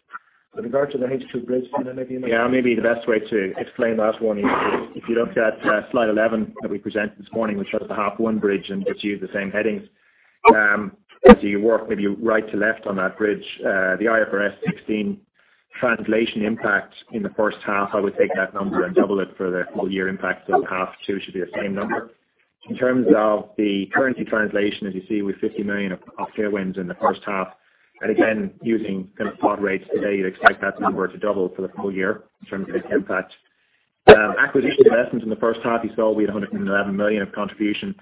With regard to the H2 bridge, do you want to? Yeah, maybe the best way to explain that one, Yves, is if you look at slide 11 that we presented this morning, which shows the half one bridge and it's used the same headings. As you work maybe right to left on that bridge, the IFRS 16 translation impact in the first half, I would take that number and double it for the full-year impact, so half two should be the same number. In terms of the currency translation, as you see, with 50 million of headwinds in the first half, and again, using kind of spot rates today, you'd expect that number to double for the full year in terms of its impact. Acquisition investments in the first half, you saw we had 111 million of contribution.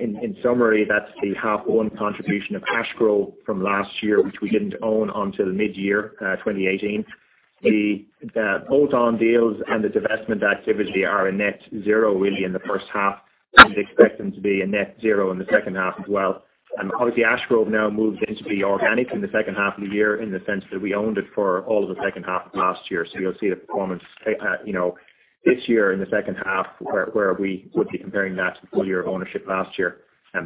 In summary, that's the half one contribution of Ash Grove from last year, which we didn't own until mid-year 2018. The bolt-on deals and the divestment activity are a net zero really in the first half, and we'd expect them to be a net zero in the second half as well. Obviously, Ash Grove now moves into the organic in the second half of the year in the sense that we owned it for all of the second half of last year. You'll see the performance this year in the second half where we would be comparing that to full year ownership last year.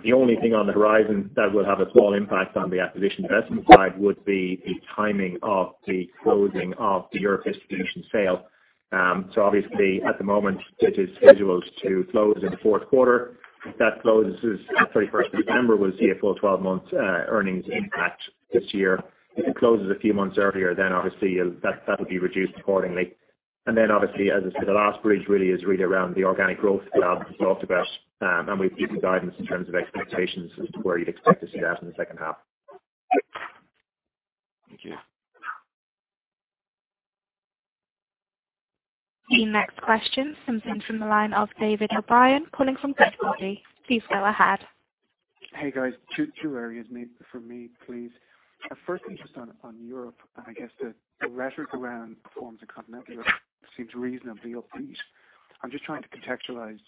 The only thing on the horizon that will have a small impact on the acquisition investment side would be the timing of the closing of the Europe Distribution sale. Obviously, at the moment, it is scheduled to close in the fourth quarter. If that closes on 31st December, we'll see a full 12 months earnings impact this year. If it closes a few months earlier, then obviously that would be reduced accordingly. Obviously, as I said, the last bridge really is read around the organic growth gap we talked about. We've given guidance in terms of expectations as to where you'd expect to see that in the second half. Thank you. The next question comes in from the line of David O'Brien calling from Jefferies. Please go ahead. Hey, guys. Two areas for me, please. First, just on Europe. I guess the rhetoric around performance in continental Europe seems reasonably upbeat. I'm just trying to contextualize.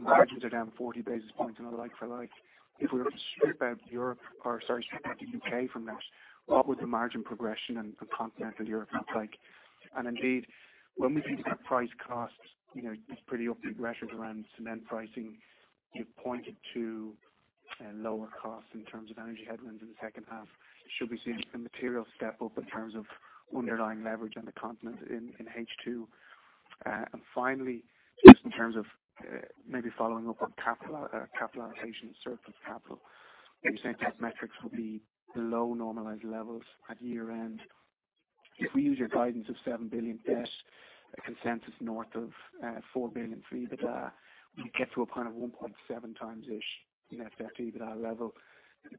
Margins are down 40 basis points on a like for like. If we were to strip out the U.K. from this, what would the margin progression in continental Europe look like? Indeed, when we think about price costs, it's pretty upbeat rhetoric around cement pricing. You've pointed to lower costs in terms of energy headwinds in the second half. Should we see a material step up in terms of underlying leverage on the continent in H2? Finally, just in terms of maybe following up on capitalization and surplus capital, you're saying that metrics will be below normalized levels at year-end. If we use your guidance of 7 billion debt, a consensus north of 4.3 billion, EBITDA, we get to a kind of 1.7 times-ish net debt to EBITDA level,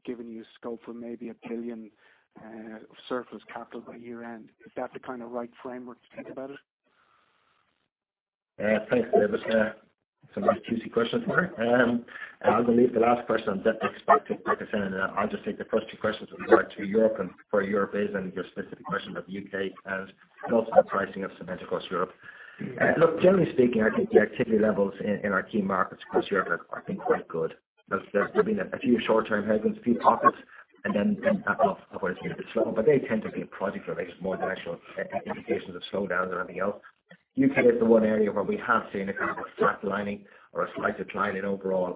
giving you scope for maybe 1 billion of surplus capital by year-end. Is that the kind of right framework to think about it? Thanks, David. It's a nice juicy question. I'm going to leave the last question on debt to expect to Patrick. I'll just take the first two questions with regard to Europe, your specific question about the U.K. and also the pricing of cement across Europe. Generally speaking, I think the activity levels in our key markets across Europe have been quite good. There's been a few short-term headwinds, a few pockets where it's been a bit slow. They tend to be project related more than actual indications of slowdowns or anything else. The U.K. is the one area where we have seen a kind of a flat lining or a slight decline in overall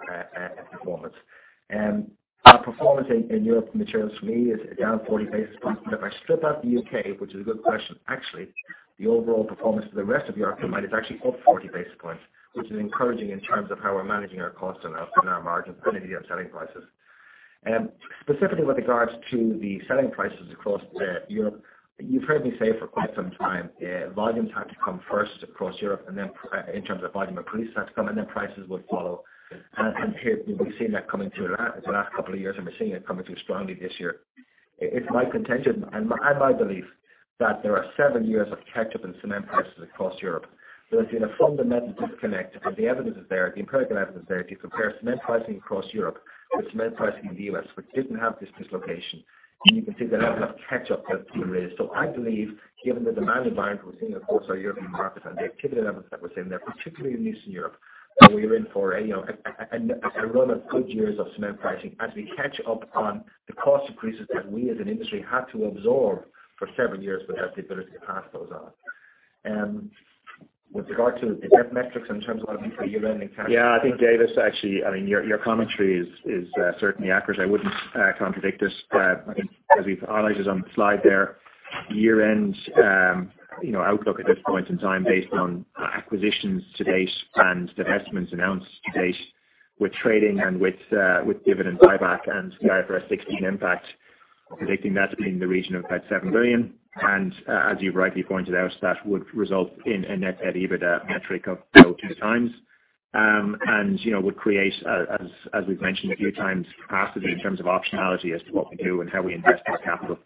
performance. Our performance in Europe Materials for me is down 40 basis points. If I strip out the U.K., which is a good question, actually, the overall performance for the rest of Europe combined is actually up 40 basis points, which is encouraging in terms of how we're managing our costs and our margins and indeed our selling prices. Specifically with regards to the selling prices across Europe, you've heard me say for quite some time, volumes have to come first across Europe in terms of volume uplift that's come, and then prices would follow. Here we've been seeing that coming through the last couple of years, and we're seeing it coming through strongly this year. It's my contention and my belief that there are seven years of catch-up in cement prices across Europe. There's been a fundamental disconnect, and the evidence is there. The empirical evidence is there. If you compare cement pricing across Europe with cement pricing in the U.S., which didn't have this dislocation, and you can see the level of catch-up that's been raised. I believe, given the demand environment we're seeing across our European markets and the activity levels that we're seeing there, particularly in Eastern Europe, we're in for a run of good years of cement pricing as we catch up on the cost increases that we as an industry had to absorb for several years without the ability to pass those on. With regard to the net metrics in terms of looking for year-end and cash-. Yeah, I think, David, actually, your commentary is certainly accurate. I wouldn't contradict this. I think as we've highlighted on the slide there, year-end outlook at this point in time based on acquisitions to date and the investments announced to date, with trading and with dividend buyback and the IFRS 16 impact, we're predicting that to be in the region of about 7 billion. As you've rightly pointed out, that would result in a net debt EBITDA metric of below 2 times. Would create, as we've mentioned a few times, capacity in terms of optionality as to what we do and how we invest our capital.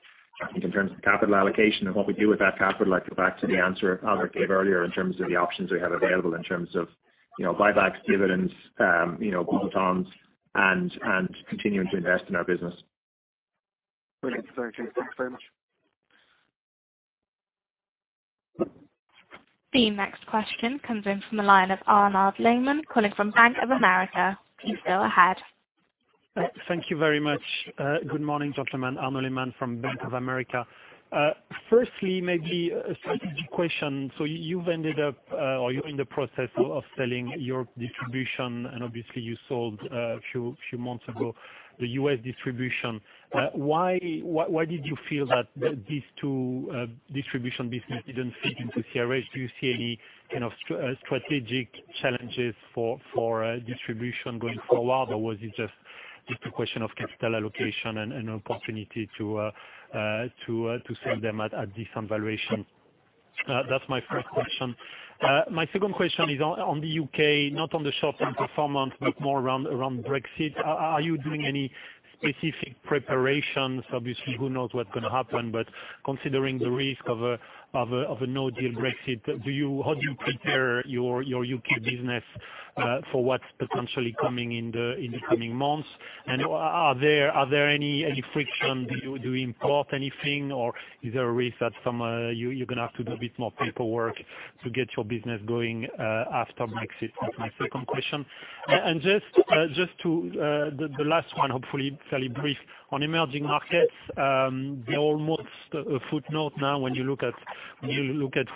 I think in terms of capital allocation and what we do with that capital, I go back to the answer Albert gave earlier in terms of the options we have available in terms of buybacks, dividends, book tons, and continuing to invest in our business. Brilliant. Thank you. Thanks very much. The next question comes in from the line of Arnaud Lehmann calling from Bank of America. Please go ahead. Thank you very much. Good morning, gentlemen. Arnaud Lehmann from Bank of America. Firstly, maybe a strategic question. You've ended up, or you're in the process of selling your distribution, and obviously you sold a few months ago the U.S. distribution. Why did you feel that these two distribution business didn't fit into CRH? Do you see any kind of strategic challenges for distribution going forward, or was it just a question of capital allocation and an opportunity to sell them at a decent valuation? That's my first question. My second question is on the U.K., not on the short-term performance, but more around Brexit. Are you doing any specific preparations? Obviously, who knows what's going to happen, but considering the risk of a no-deal Brexit, how do you prepare your U.K. business for what's potentially coming in the coming months? Are there any friction? Do you import anything, or is there a risk that you're going to have to do a bit more paperwork to get your business going after Brexit? That's my second question. The last one, hopefully fairly brief. On emerging markets, they're almost a footnote now when you look at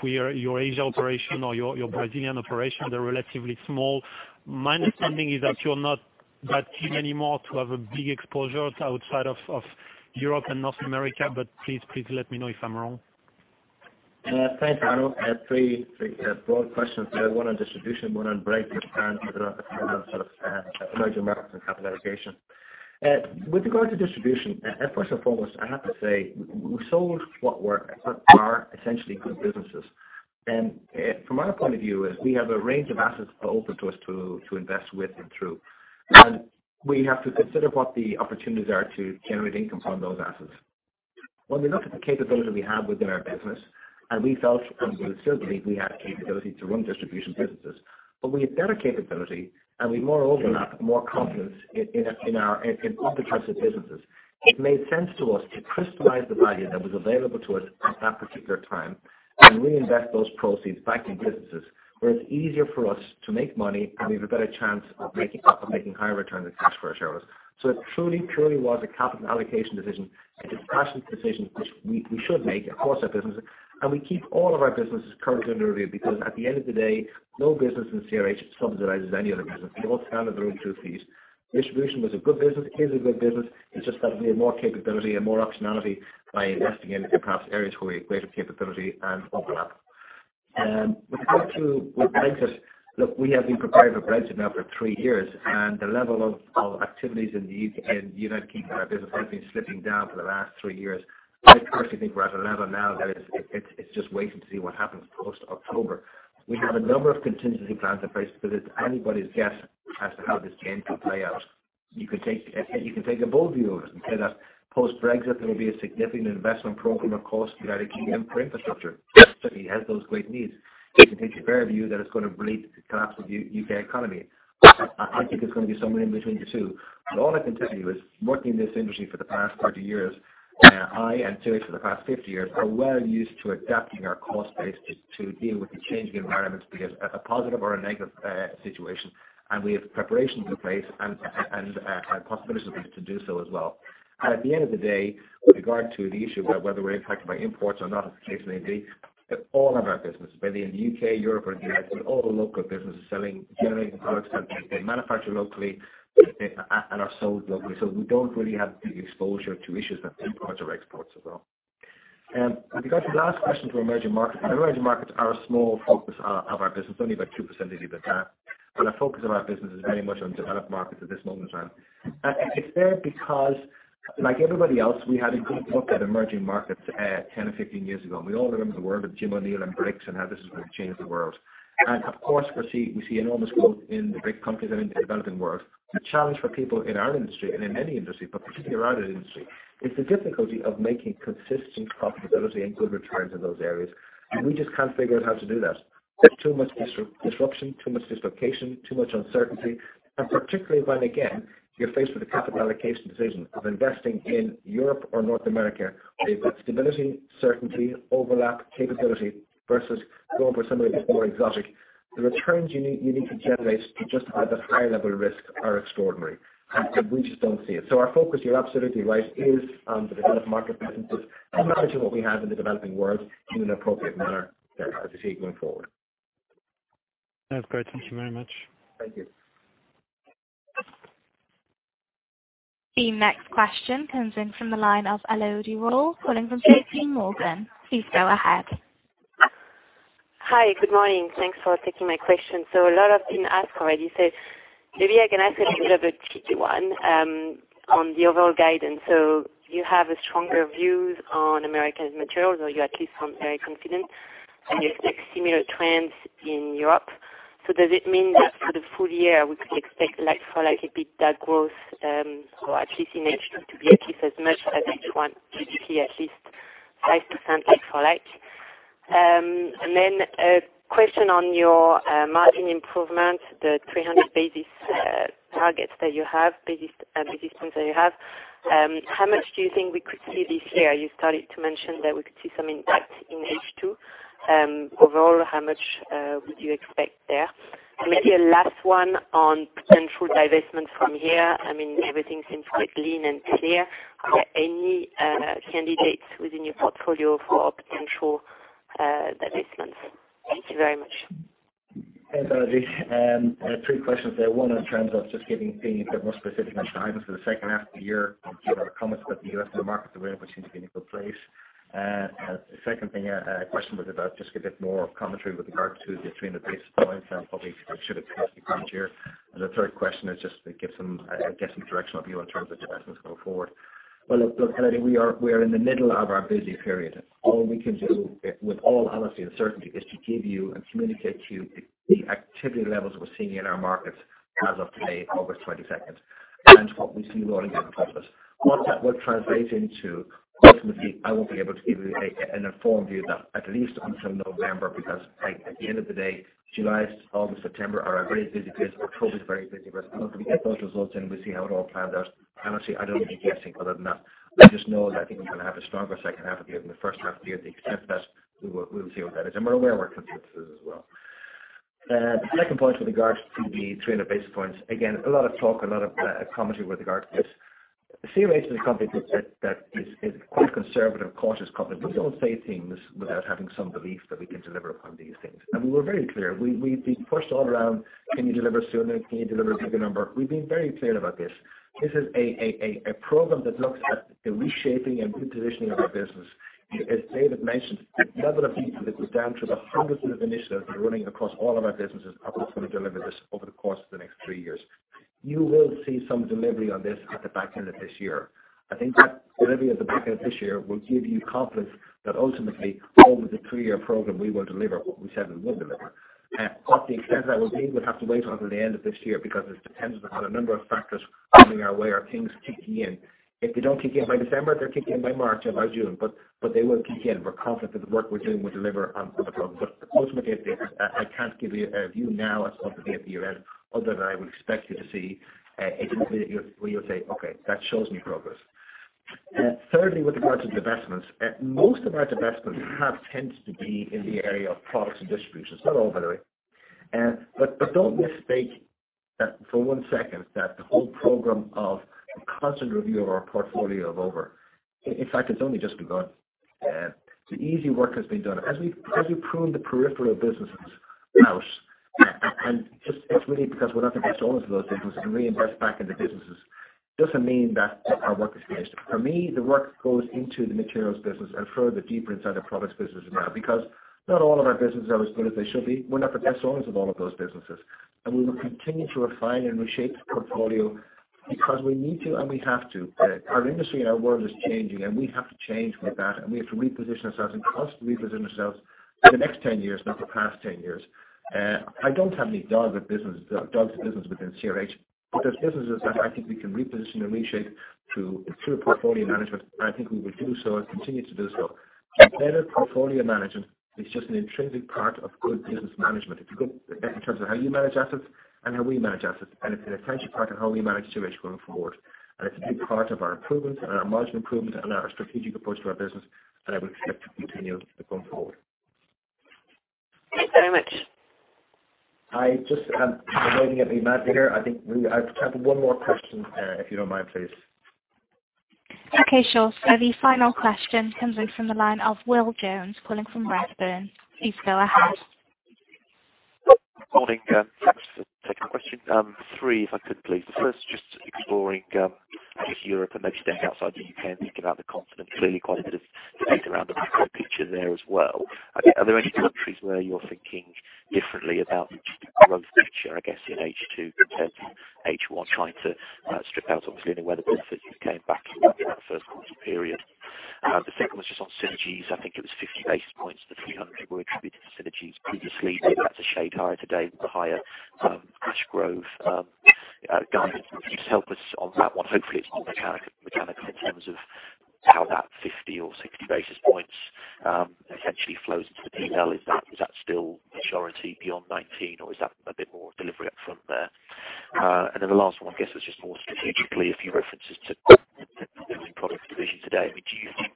where your Asia operation or your Brazilian operation, they're relatively small. My understanding is that you're not that keen anymore to have a big exposure outside of Europe and North America, but please let me know if I'm wrong. Thanks, Arnaud. Three broad questions there. One on distribution, one on Brexit, and another on sort of emerging markets and capital allocation. With regard to distribution, first and foremost, I have to say, we sold what are essentially good businesses. From our point of view is we have a range of assets open to us to invest with and through. We have to consider what the opportunities are to generate income from those assets. When we look at the capability we have within our business, and we felt and we still believe we have capability to run distribution businesses, but we have better capability and we have more overlap, more confidence in other types of businesses. It made sense to us to crystallize the value that was available to us at that particular time and reinvest those proceeds back in businesses where it's easier for us to make money, and we have a better chance of making higher returns and cash for our shareholders. It truly purely was a capital allocation decision, a discretion decision which we should make across our businesses. We keep all of our businesses currently under review because at the end of the day, no business in CRH subsidizes any other business. They all stand on their own two feet. Distribution was a good business, is a good business. It's just that we have more capability and more optionality by investing in perhaps areas where we have greater capability and overlap. With regard to Brexit, look, we have been preparing for Brexit now for three years, and the level of activities in the United Kingdom, our business has been slipping down for the last three years. I personally think we're at a level now that it's just waiting to see what happens post-October. We have a number of contingency plans in place because it's anybody's guess as to how this game could play out. You could take a bull view of it and say that post-Brexit, there will be a significant investment program, of course, in the United Kingdom for infrastructure. Certainly, it has those great needs. You can take a bear view that it's going to lead to the collapse of the U.K. economy. I think it's going to be somewhere in between the two. All I can tell you is working in this industry for the past 30 years, I, and CRH for the past 50 years, are well used to adapting our cost base to deal with the changing environments, be it a positive or a negative situation. We have preparations in place and possibilities to do so as well. At the end of the day, with regard to the issue about whether we're impacted by imports or not, as the case may be, all of our business, whether in the U.K., Europe, or the United States, all the local businesses selling generating products that they manufacture locally and are sold locally. We don't really have big exposure to issues of imports or exports at all. With regard to the last question for emerging markets, emerging markets are a small focus of our business, only about 2% of EBITDA. The focus of our business is very much on developed markets at this moment in time. It's there because, like everybody else, we had a good look at emerging markets 10 or 15 years ago, we all remember the world of Jim O'Neill and BRIC and how this is going to change the world. Of course, we see enormous growth in the BRIC countries and in the developing world. The challenge for people in our industry, and in any industry, but particularly our industry, is the difficulty of making consistent profitability and good returns in those areas. We just can't figure out how to do that. There's too much disruption, too much dislocation, too much uncertainty. Particularly when, again, you're faced with a capital allocation decision of investing in Europe or North America, where you've got stability, certainty, overlap, capability versus going for something a bit more exotic. The returns you need to generate to just have a high level risk are extraordinary. We just don't see it. Our focus, you're absolutely right, is on the developed market businesses and managing what we have in the developing world in an appropriate manner there, as you see it going forward. That's great. Thank you very much. Thank you. The next question comes in from the line of Elodie Rall, calling from J.P. Morgan. Please go ahead. Hi, good morning. Thanks for taking my question. A lot has been asked already, maybe I can ask a little bit of a tricky one on the overall guidance. You have stronger views on Americas Materials, or you at least sound very confident, and you expect similar trends in Europe. Does it mean that for the full year, we could expect like-for-like EBITDA growth, or at least in H2, to be at least as much as H1, typically at least 5% like-for-like? A question on your margin improvement, the 300 basis points that you have. How much do you think we could see this year? You started to mention that we could see some impact in H2. Overall, how much would you expect there? Maybe a last one on potential divestments from here. I mean, everything seems quite lean and clear. Are there any candidates within your portfolio for potential divestments? Thank you very much. Thanks, Elodie. Three questions there. One in terms of just giving things a bit more specific on guidance for the second half of the year, given our comments about the U.S. and the markets there, which seem to be in a good place. The second thing, a question was about just to get a bit more commentary with regard to the 300 basis points and what we should expect next year. The third question is just to get some directional view in terms of divestments going forward. Well, look, Elodie, we are in the middle of our busy period. All we can do with all honesty and certainty is to give you and communicate to you the activity levels we're seeing in our markets as of today, August 22nd, and what we see rolling in in front of us. What that will translate into, ultimately, I won't be able to give you an informed view of that, at least until November, because at the end of the day, July, August, September are a very busy period. October is a very busy period. I want to get those results in, we'll see how it all pans out. Honestly, I don't want to be guessing other than that. I just know that I think we're going to have a stronger second half of the year than the first half of the year. The extent of that, we'll see what that is. We're aware of our competitors as well. The second point with regard to the 300 basis points, again, a lot of talk, a lot of commentary with regard to this. CRH is a company that is quite conservative, cautious company. We don't say things without having some belief that we can deliver upon these things. We were very clear. We've been pushed all around. "Can you deliver sooner? Can you deliver a bigger number?" We've been very clear about this. This is a program that looks at the reshaping and repositioning of our business. As David mentioned, the level of detail that goes down to the hundreds of initiatives we're running across all of our businesses, are what's going to deliver this over the course of the next three years. You will see some delivery on this at the back end of this year. I think that delivery at the back end of this year will give you confidence that ultimately, over the three-year program, we will deliver what we said we would deliver. The extent that we'll have to wait until the end of this year because it's dependent upon a number of factors coming our way or things kicking in. If they don't kick in by December, they're kicking in by March or by June, but they will kick in. We're confident that the work we're doing will deliver on the program. Ultimately, as David said, I can't give you a view now as to what they'll be at the end, other than I would expect you to see ultimately where you'll say, "Okay, that shows me progress." Thirdly, with regard to divestments, most of our divestments have tended to be in the area of products and distributions. Not all, by the way. Don't mistake that for one second that the whole program of constant review of our portfolio is over. In fact, it's only just begun. The easy work has been done. As we prune the peripheral businesses out, it's really because we're not the best owners of those businesses to reinvest back in the businesses, doesn't mean that our work is finished. For me, the work goes into the materials business and further deeper inside the products business now, because not all of our businesses are as good as they should be. We're not the best owners of all of those businesses. We will continue to refine and reshape the portfolio because we need to and we have to. Our industry and our world is changing, and we have to change with that, and we have to reposition ourselves and constantly reposition ourselves for the next 10 years, not the past 10 years. I don't have any dogs of business within CRH, but there's businesses that I think we can reposition and reshape through a pure portfolio management. I think we will do so and continue to do so. Better portfolio management is just an intrinsic part of good business management. If you go in terms of how you manage assets and how we manage assets, and it's an essential part of how we manage CRH going forward. It's a big part of our improvement and our margin improvement and our strategic approach to our business, and I would expect it to continue going forward. Thanks very much. I just am waving at the moderator. I think we have time for one more question, if you don't mind, please. Okay, sure. The final question comes in from the line of Will Jones calling from Redburn. Please go ahead. Morning. Thank you. 3, if I could please. The first, exploring, I guess, Europe and maybe staying outside the U.K. and thinking about the confidence. Clearly quite a bit of debate around the macro picture there as well. Are there any countries where you're thinking differently about the growth picture, I guess, in H2 compared to H1, trying to strip out obviously any weather benefits you came back in that first quarter period? The second was just on synergies. I think it was 50 basis points of the 300 that were attributed to synergies previously. Maybe that's a shade higher today with the higher Ash Grove guidance. Could you just help us on that one? Hopefully it's mechanical in terms of how that 50 or 60 basis points eventually flows into the P&L. Is that still majority beyond 2019 or is that a bit more delivery up front there? The last one, I guess, was just more strategically, a few references to Building Products division today. Do you think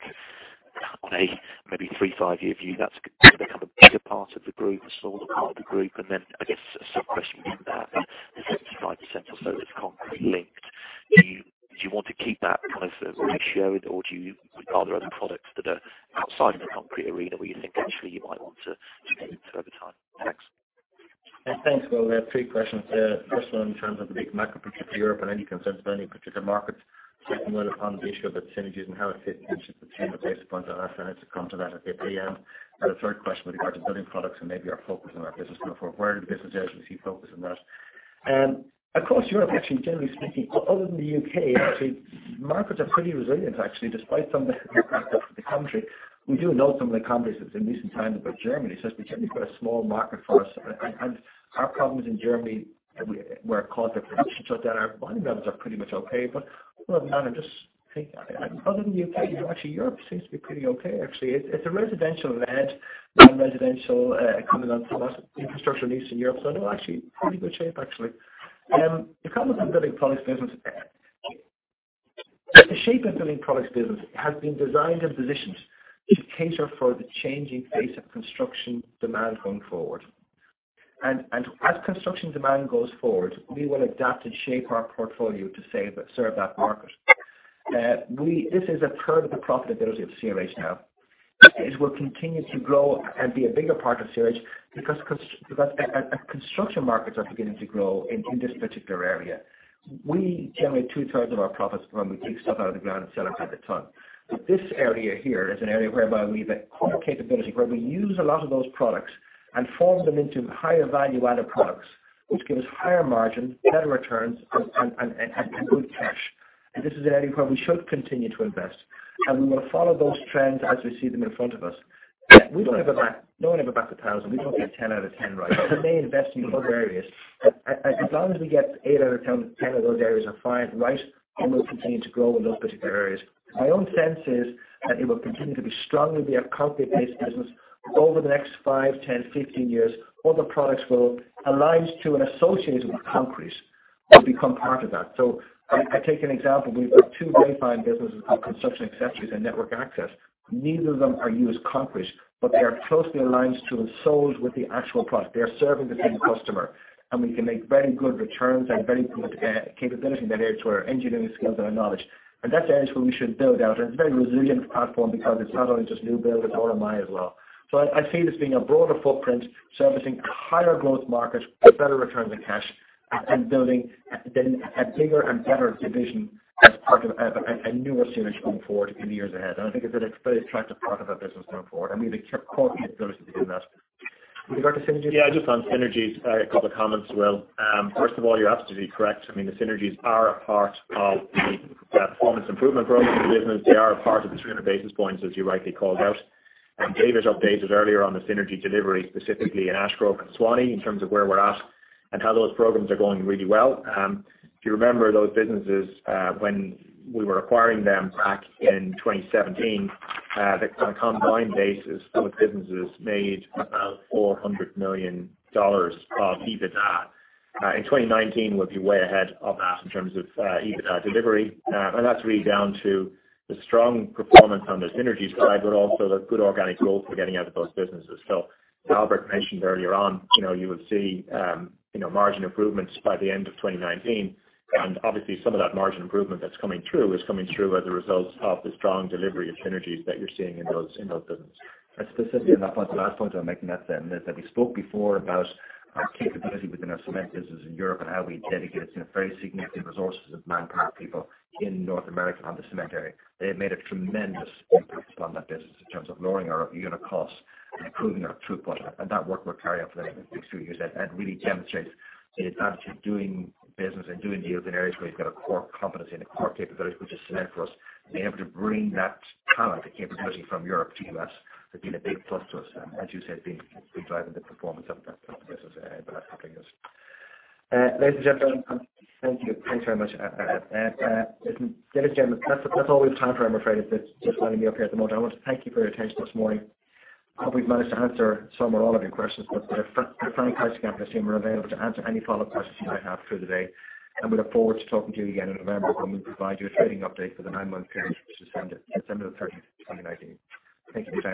on a maybe three, five-year view that's going to become a bigger part of the group, a smaller part of the group? I guess a sub-question within that, the 65% or so that's concrete linked, do you want to keep that kind of ratio or are there other products that are outside of the concrete arena where you think actually you might want to shift over time? Thanks. Thanks, Will. We have three questions there. First one in terms of the big macro picture for Europe and any concerns about any particular markets. Second one upon the issue of the synergies and how it fits into the 300 basis points. I'll ask Annette to come to that if they may. The third question with regard to Building Products and maybe our focus on our business going forward. Where the business actually focus on that. Across Europe, actually, generally speaking, other than the U.K., actually, markets are pretty resilient actually, despite some of the crap out of the country. We do know some of the countries in recent times, Germany, it's generally quite a small market for us. Our problems in Germany were caused by production shutdown. Our bonding levels are pretty much okay, but other than that, I just think other than the U.K., actually Europe seems to be pretty okay, actually. It's a residential led, non-residential coming onto a lot of infrastructure needs in Europe. They're actually pretty good shape, actually. The comment on Building Products business. The shape of Building Products business has been designed and positioned to cater for the changing face of construction demand going forward. As construction demand goes forward, we will adapt and shape our portfolio to serve that market. This is a third of the profitability of CRH now. As we're continuing to grow and be a bigger part of CRH because construction markets are beginning to grow in this particular area. We generate two-thirds of our profits when we dig stuff out of the ground and sell it by the ton. This area here is an area whereby we've a core capability where we use a lot of those products and form them into higher value-added products, which gives higher margin, better returns, and good cash. This is an area where we should continue to invest, and we will follow those trends as we see them in front of us. We don't have a back of 1,000. We don't get 10 out of 10 right, but we may invest in other areas. As long as we get eight out of 10 of those areas are right, then we'll continue to grow in those particular areas. My own sense is that it will continue to be strongly be a concrete-based business over the next five, 10, 15 years. Other products will align to and associated with concrete will become part of that. I take an example. We've got two defined businesses, Construction Accessories and Network Access. Neither of them are used concrete, but they are closely aligned to and sold with the actual product. They are serving the same customer, and we can make very good returns and very good capability there to our engineering skills and our knowledge. That's the area where we should build out. It's a very resilient platform because it's not only just new build, it's RMI as well. I see this being a broader footprint, servicing higher growth markets with better returns on cash and building then a bigger and better division as part of a newer CRH going forward in the years ahead. I think it's a very attractive part of our business going forward, and we have a core capability to do that. With regard to synergies? Yeah, just on synergies, a couple of comments, Will. First of all, you're absolutely correct. I mean, the synergies are a part of the performance improvement program of the business. They are a part of the 300 basis points, as you rightly called out. David updated earlier on the synergy delivery, specifically in Ash Grove and Suwannee, in terms of where we're at and how those programs are going really well. If you remember those businesses when we were acquiring them back in 2017, on a combined basis, those businesses made about $400 million of EBITDA. In 2019, we'll be way ahead of that in terms of EBITDA delivery. That's really down to the strong performance on the synergy side, but also the good organic growth we're getting out of those businesses. Albert mentioned earlier on, you would see margin improvements by the end of 2019. Obviously some of that margin improvement that's coming through is coming through as a result of the strong delivery of synergies that you're seeing in those businesses. Specifically on that point, the last point I'm making at them is that we spoke before about our capability within our cement business in Europe and how we dedicated some very significant resources of manpower, people in North America on the cement area. They have made a tremendous impact upon that business in terms of lowering our unit costs and improving our throughput. That work will carry on for the next two years and really demonstrates the advantage of doing business and doing deals in areas where you've got a core competency and a core capability, which is cement for us. Being able to bring that talent and capability from Europe to U.S. has been a big plus to us. As you said, big driver of the performance of that business in the last couple of years. Ladies and gentlemen, thank you. Thanks very much. Ladies and gentlemen, that's all we have time for, I'm afraid. It's just winding me up here at the moment. I want to thank you for your attention this morning. Hope we've managed to answer some or all of your questions, but the fine guys back in the team are available to answer any follow-up questions you might have through the day. We look forward to talking to you again in November when we provide you a trading update for the 9-month period, which is December 30th, 2019. Thank you very much.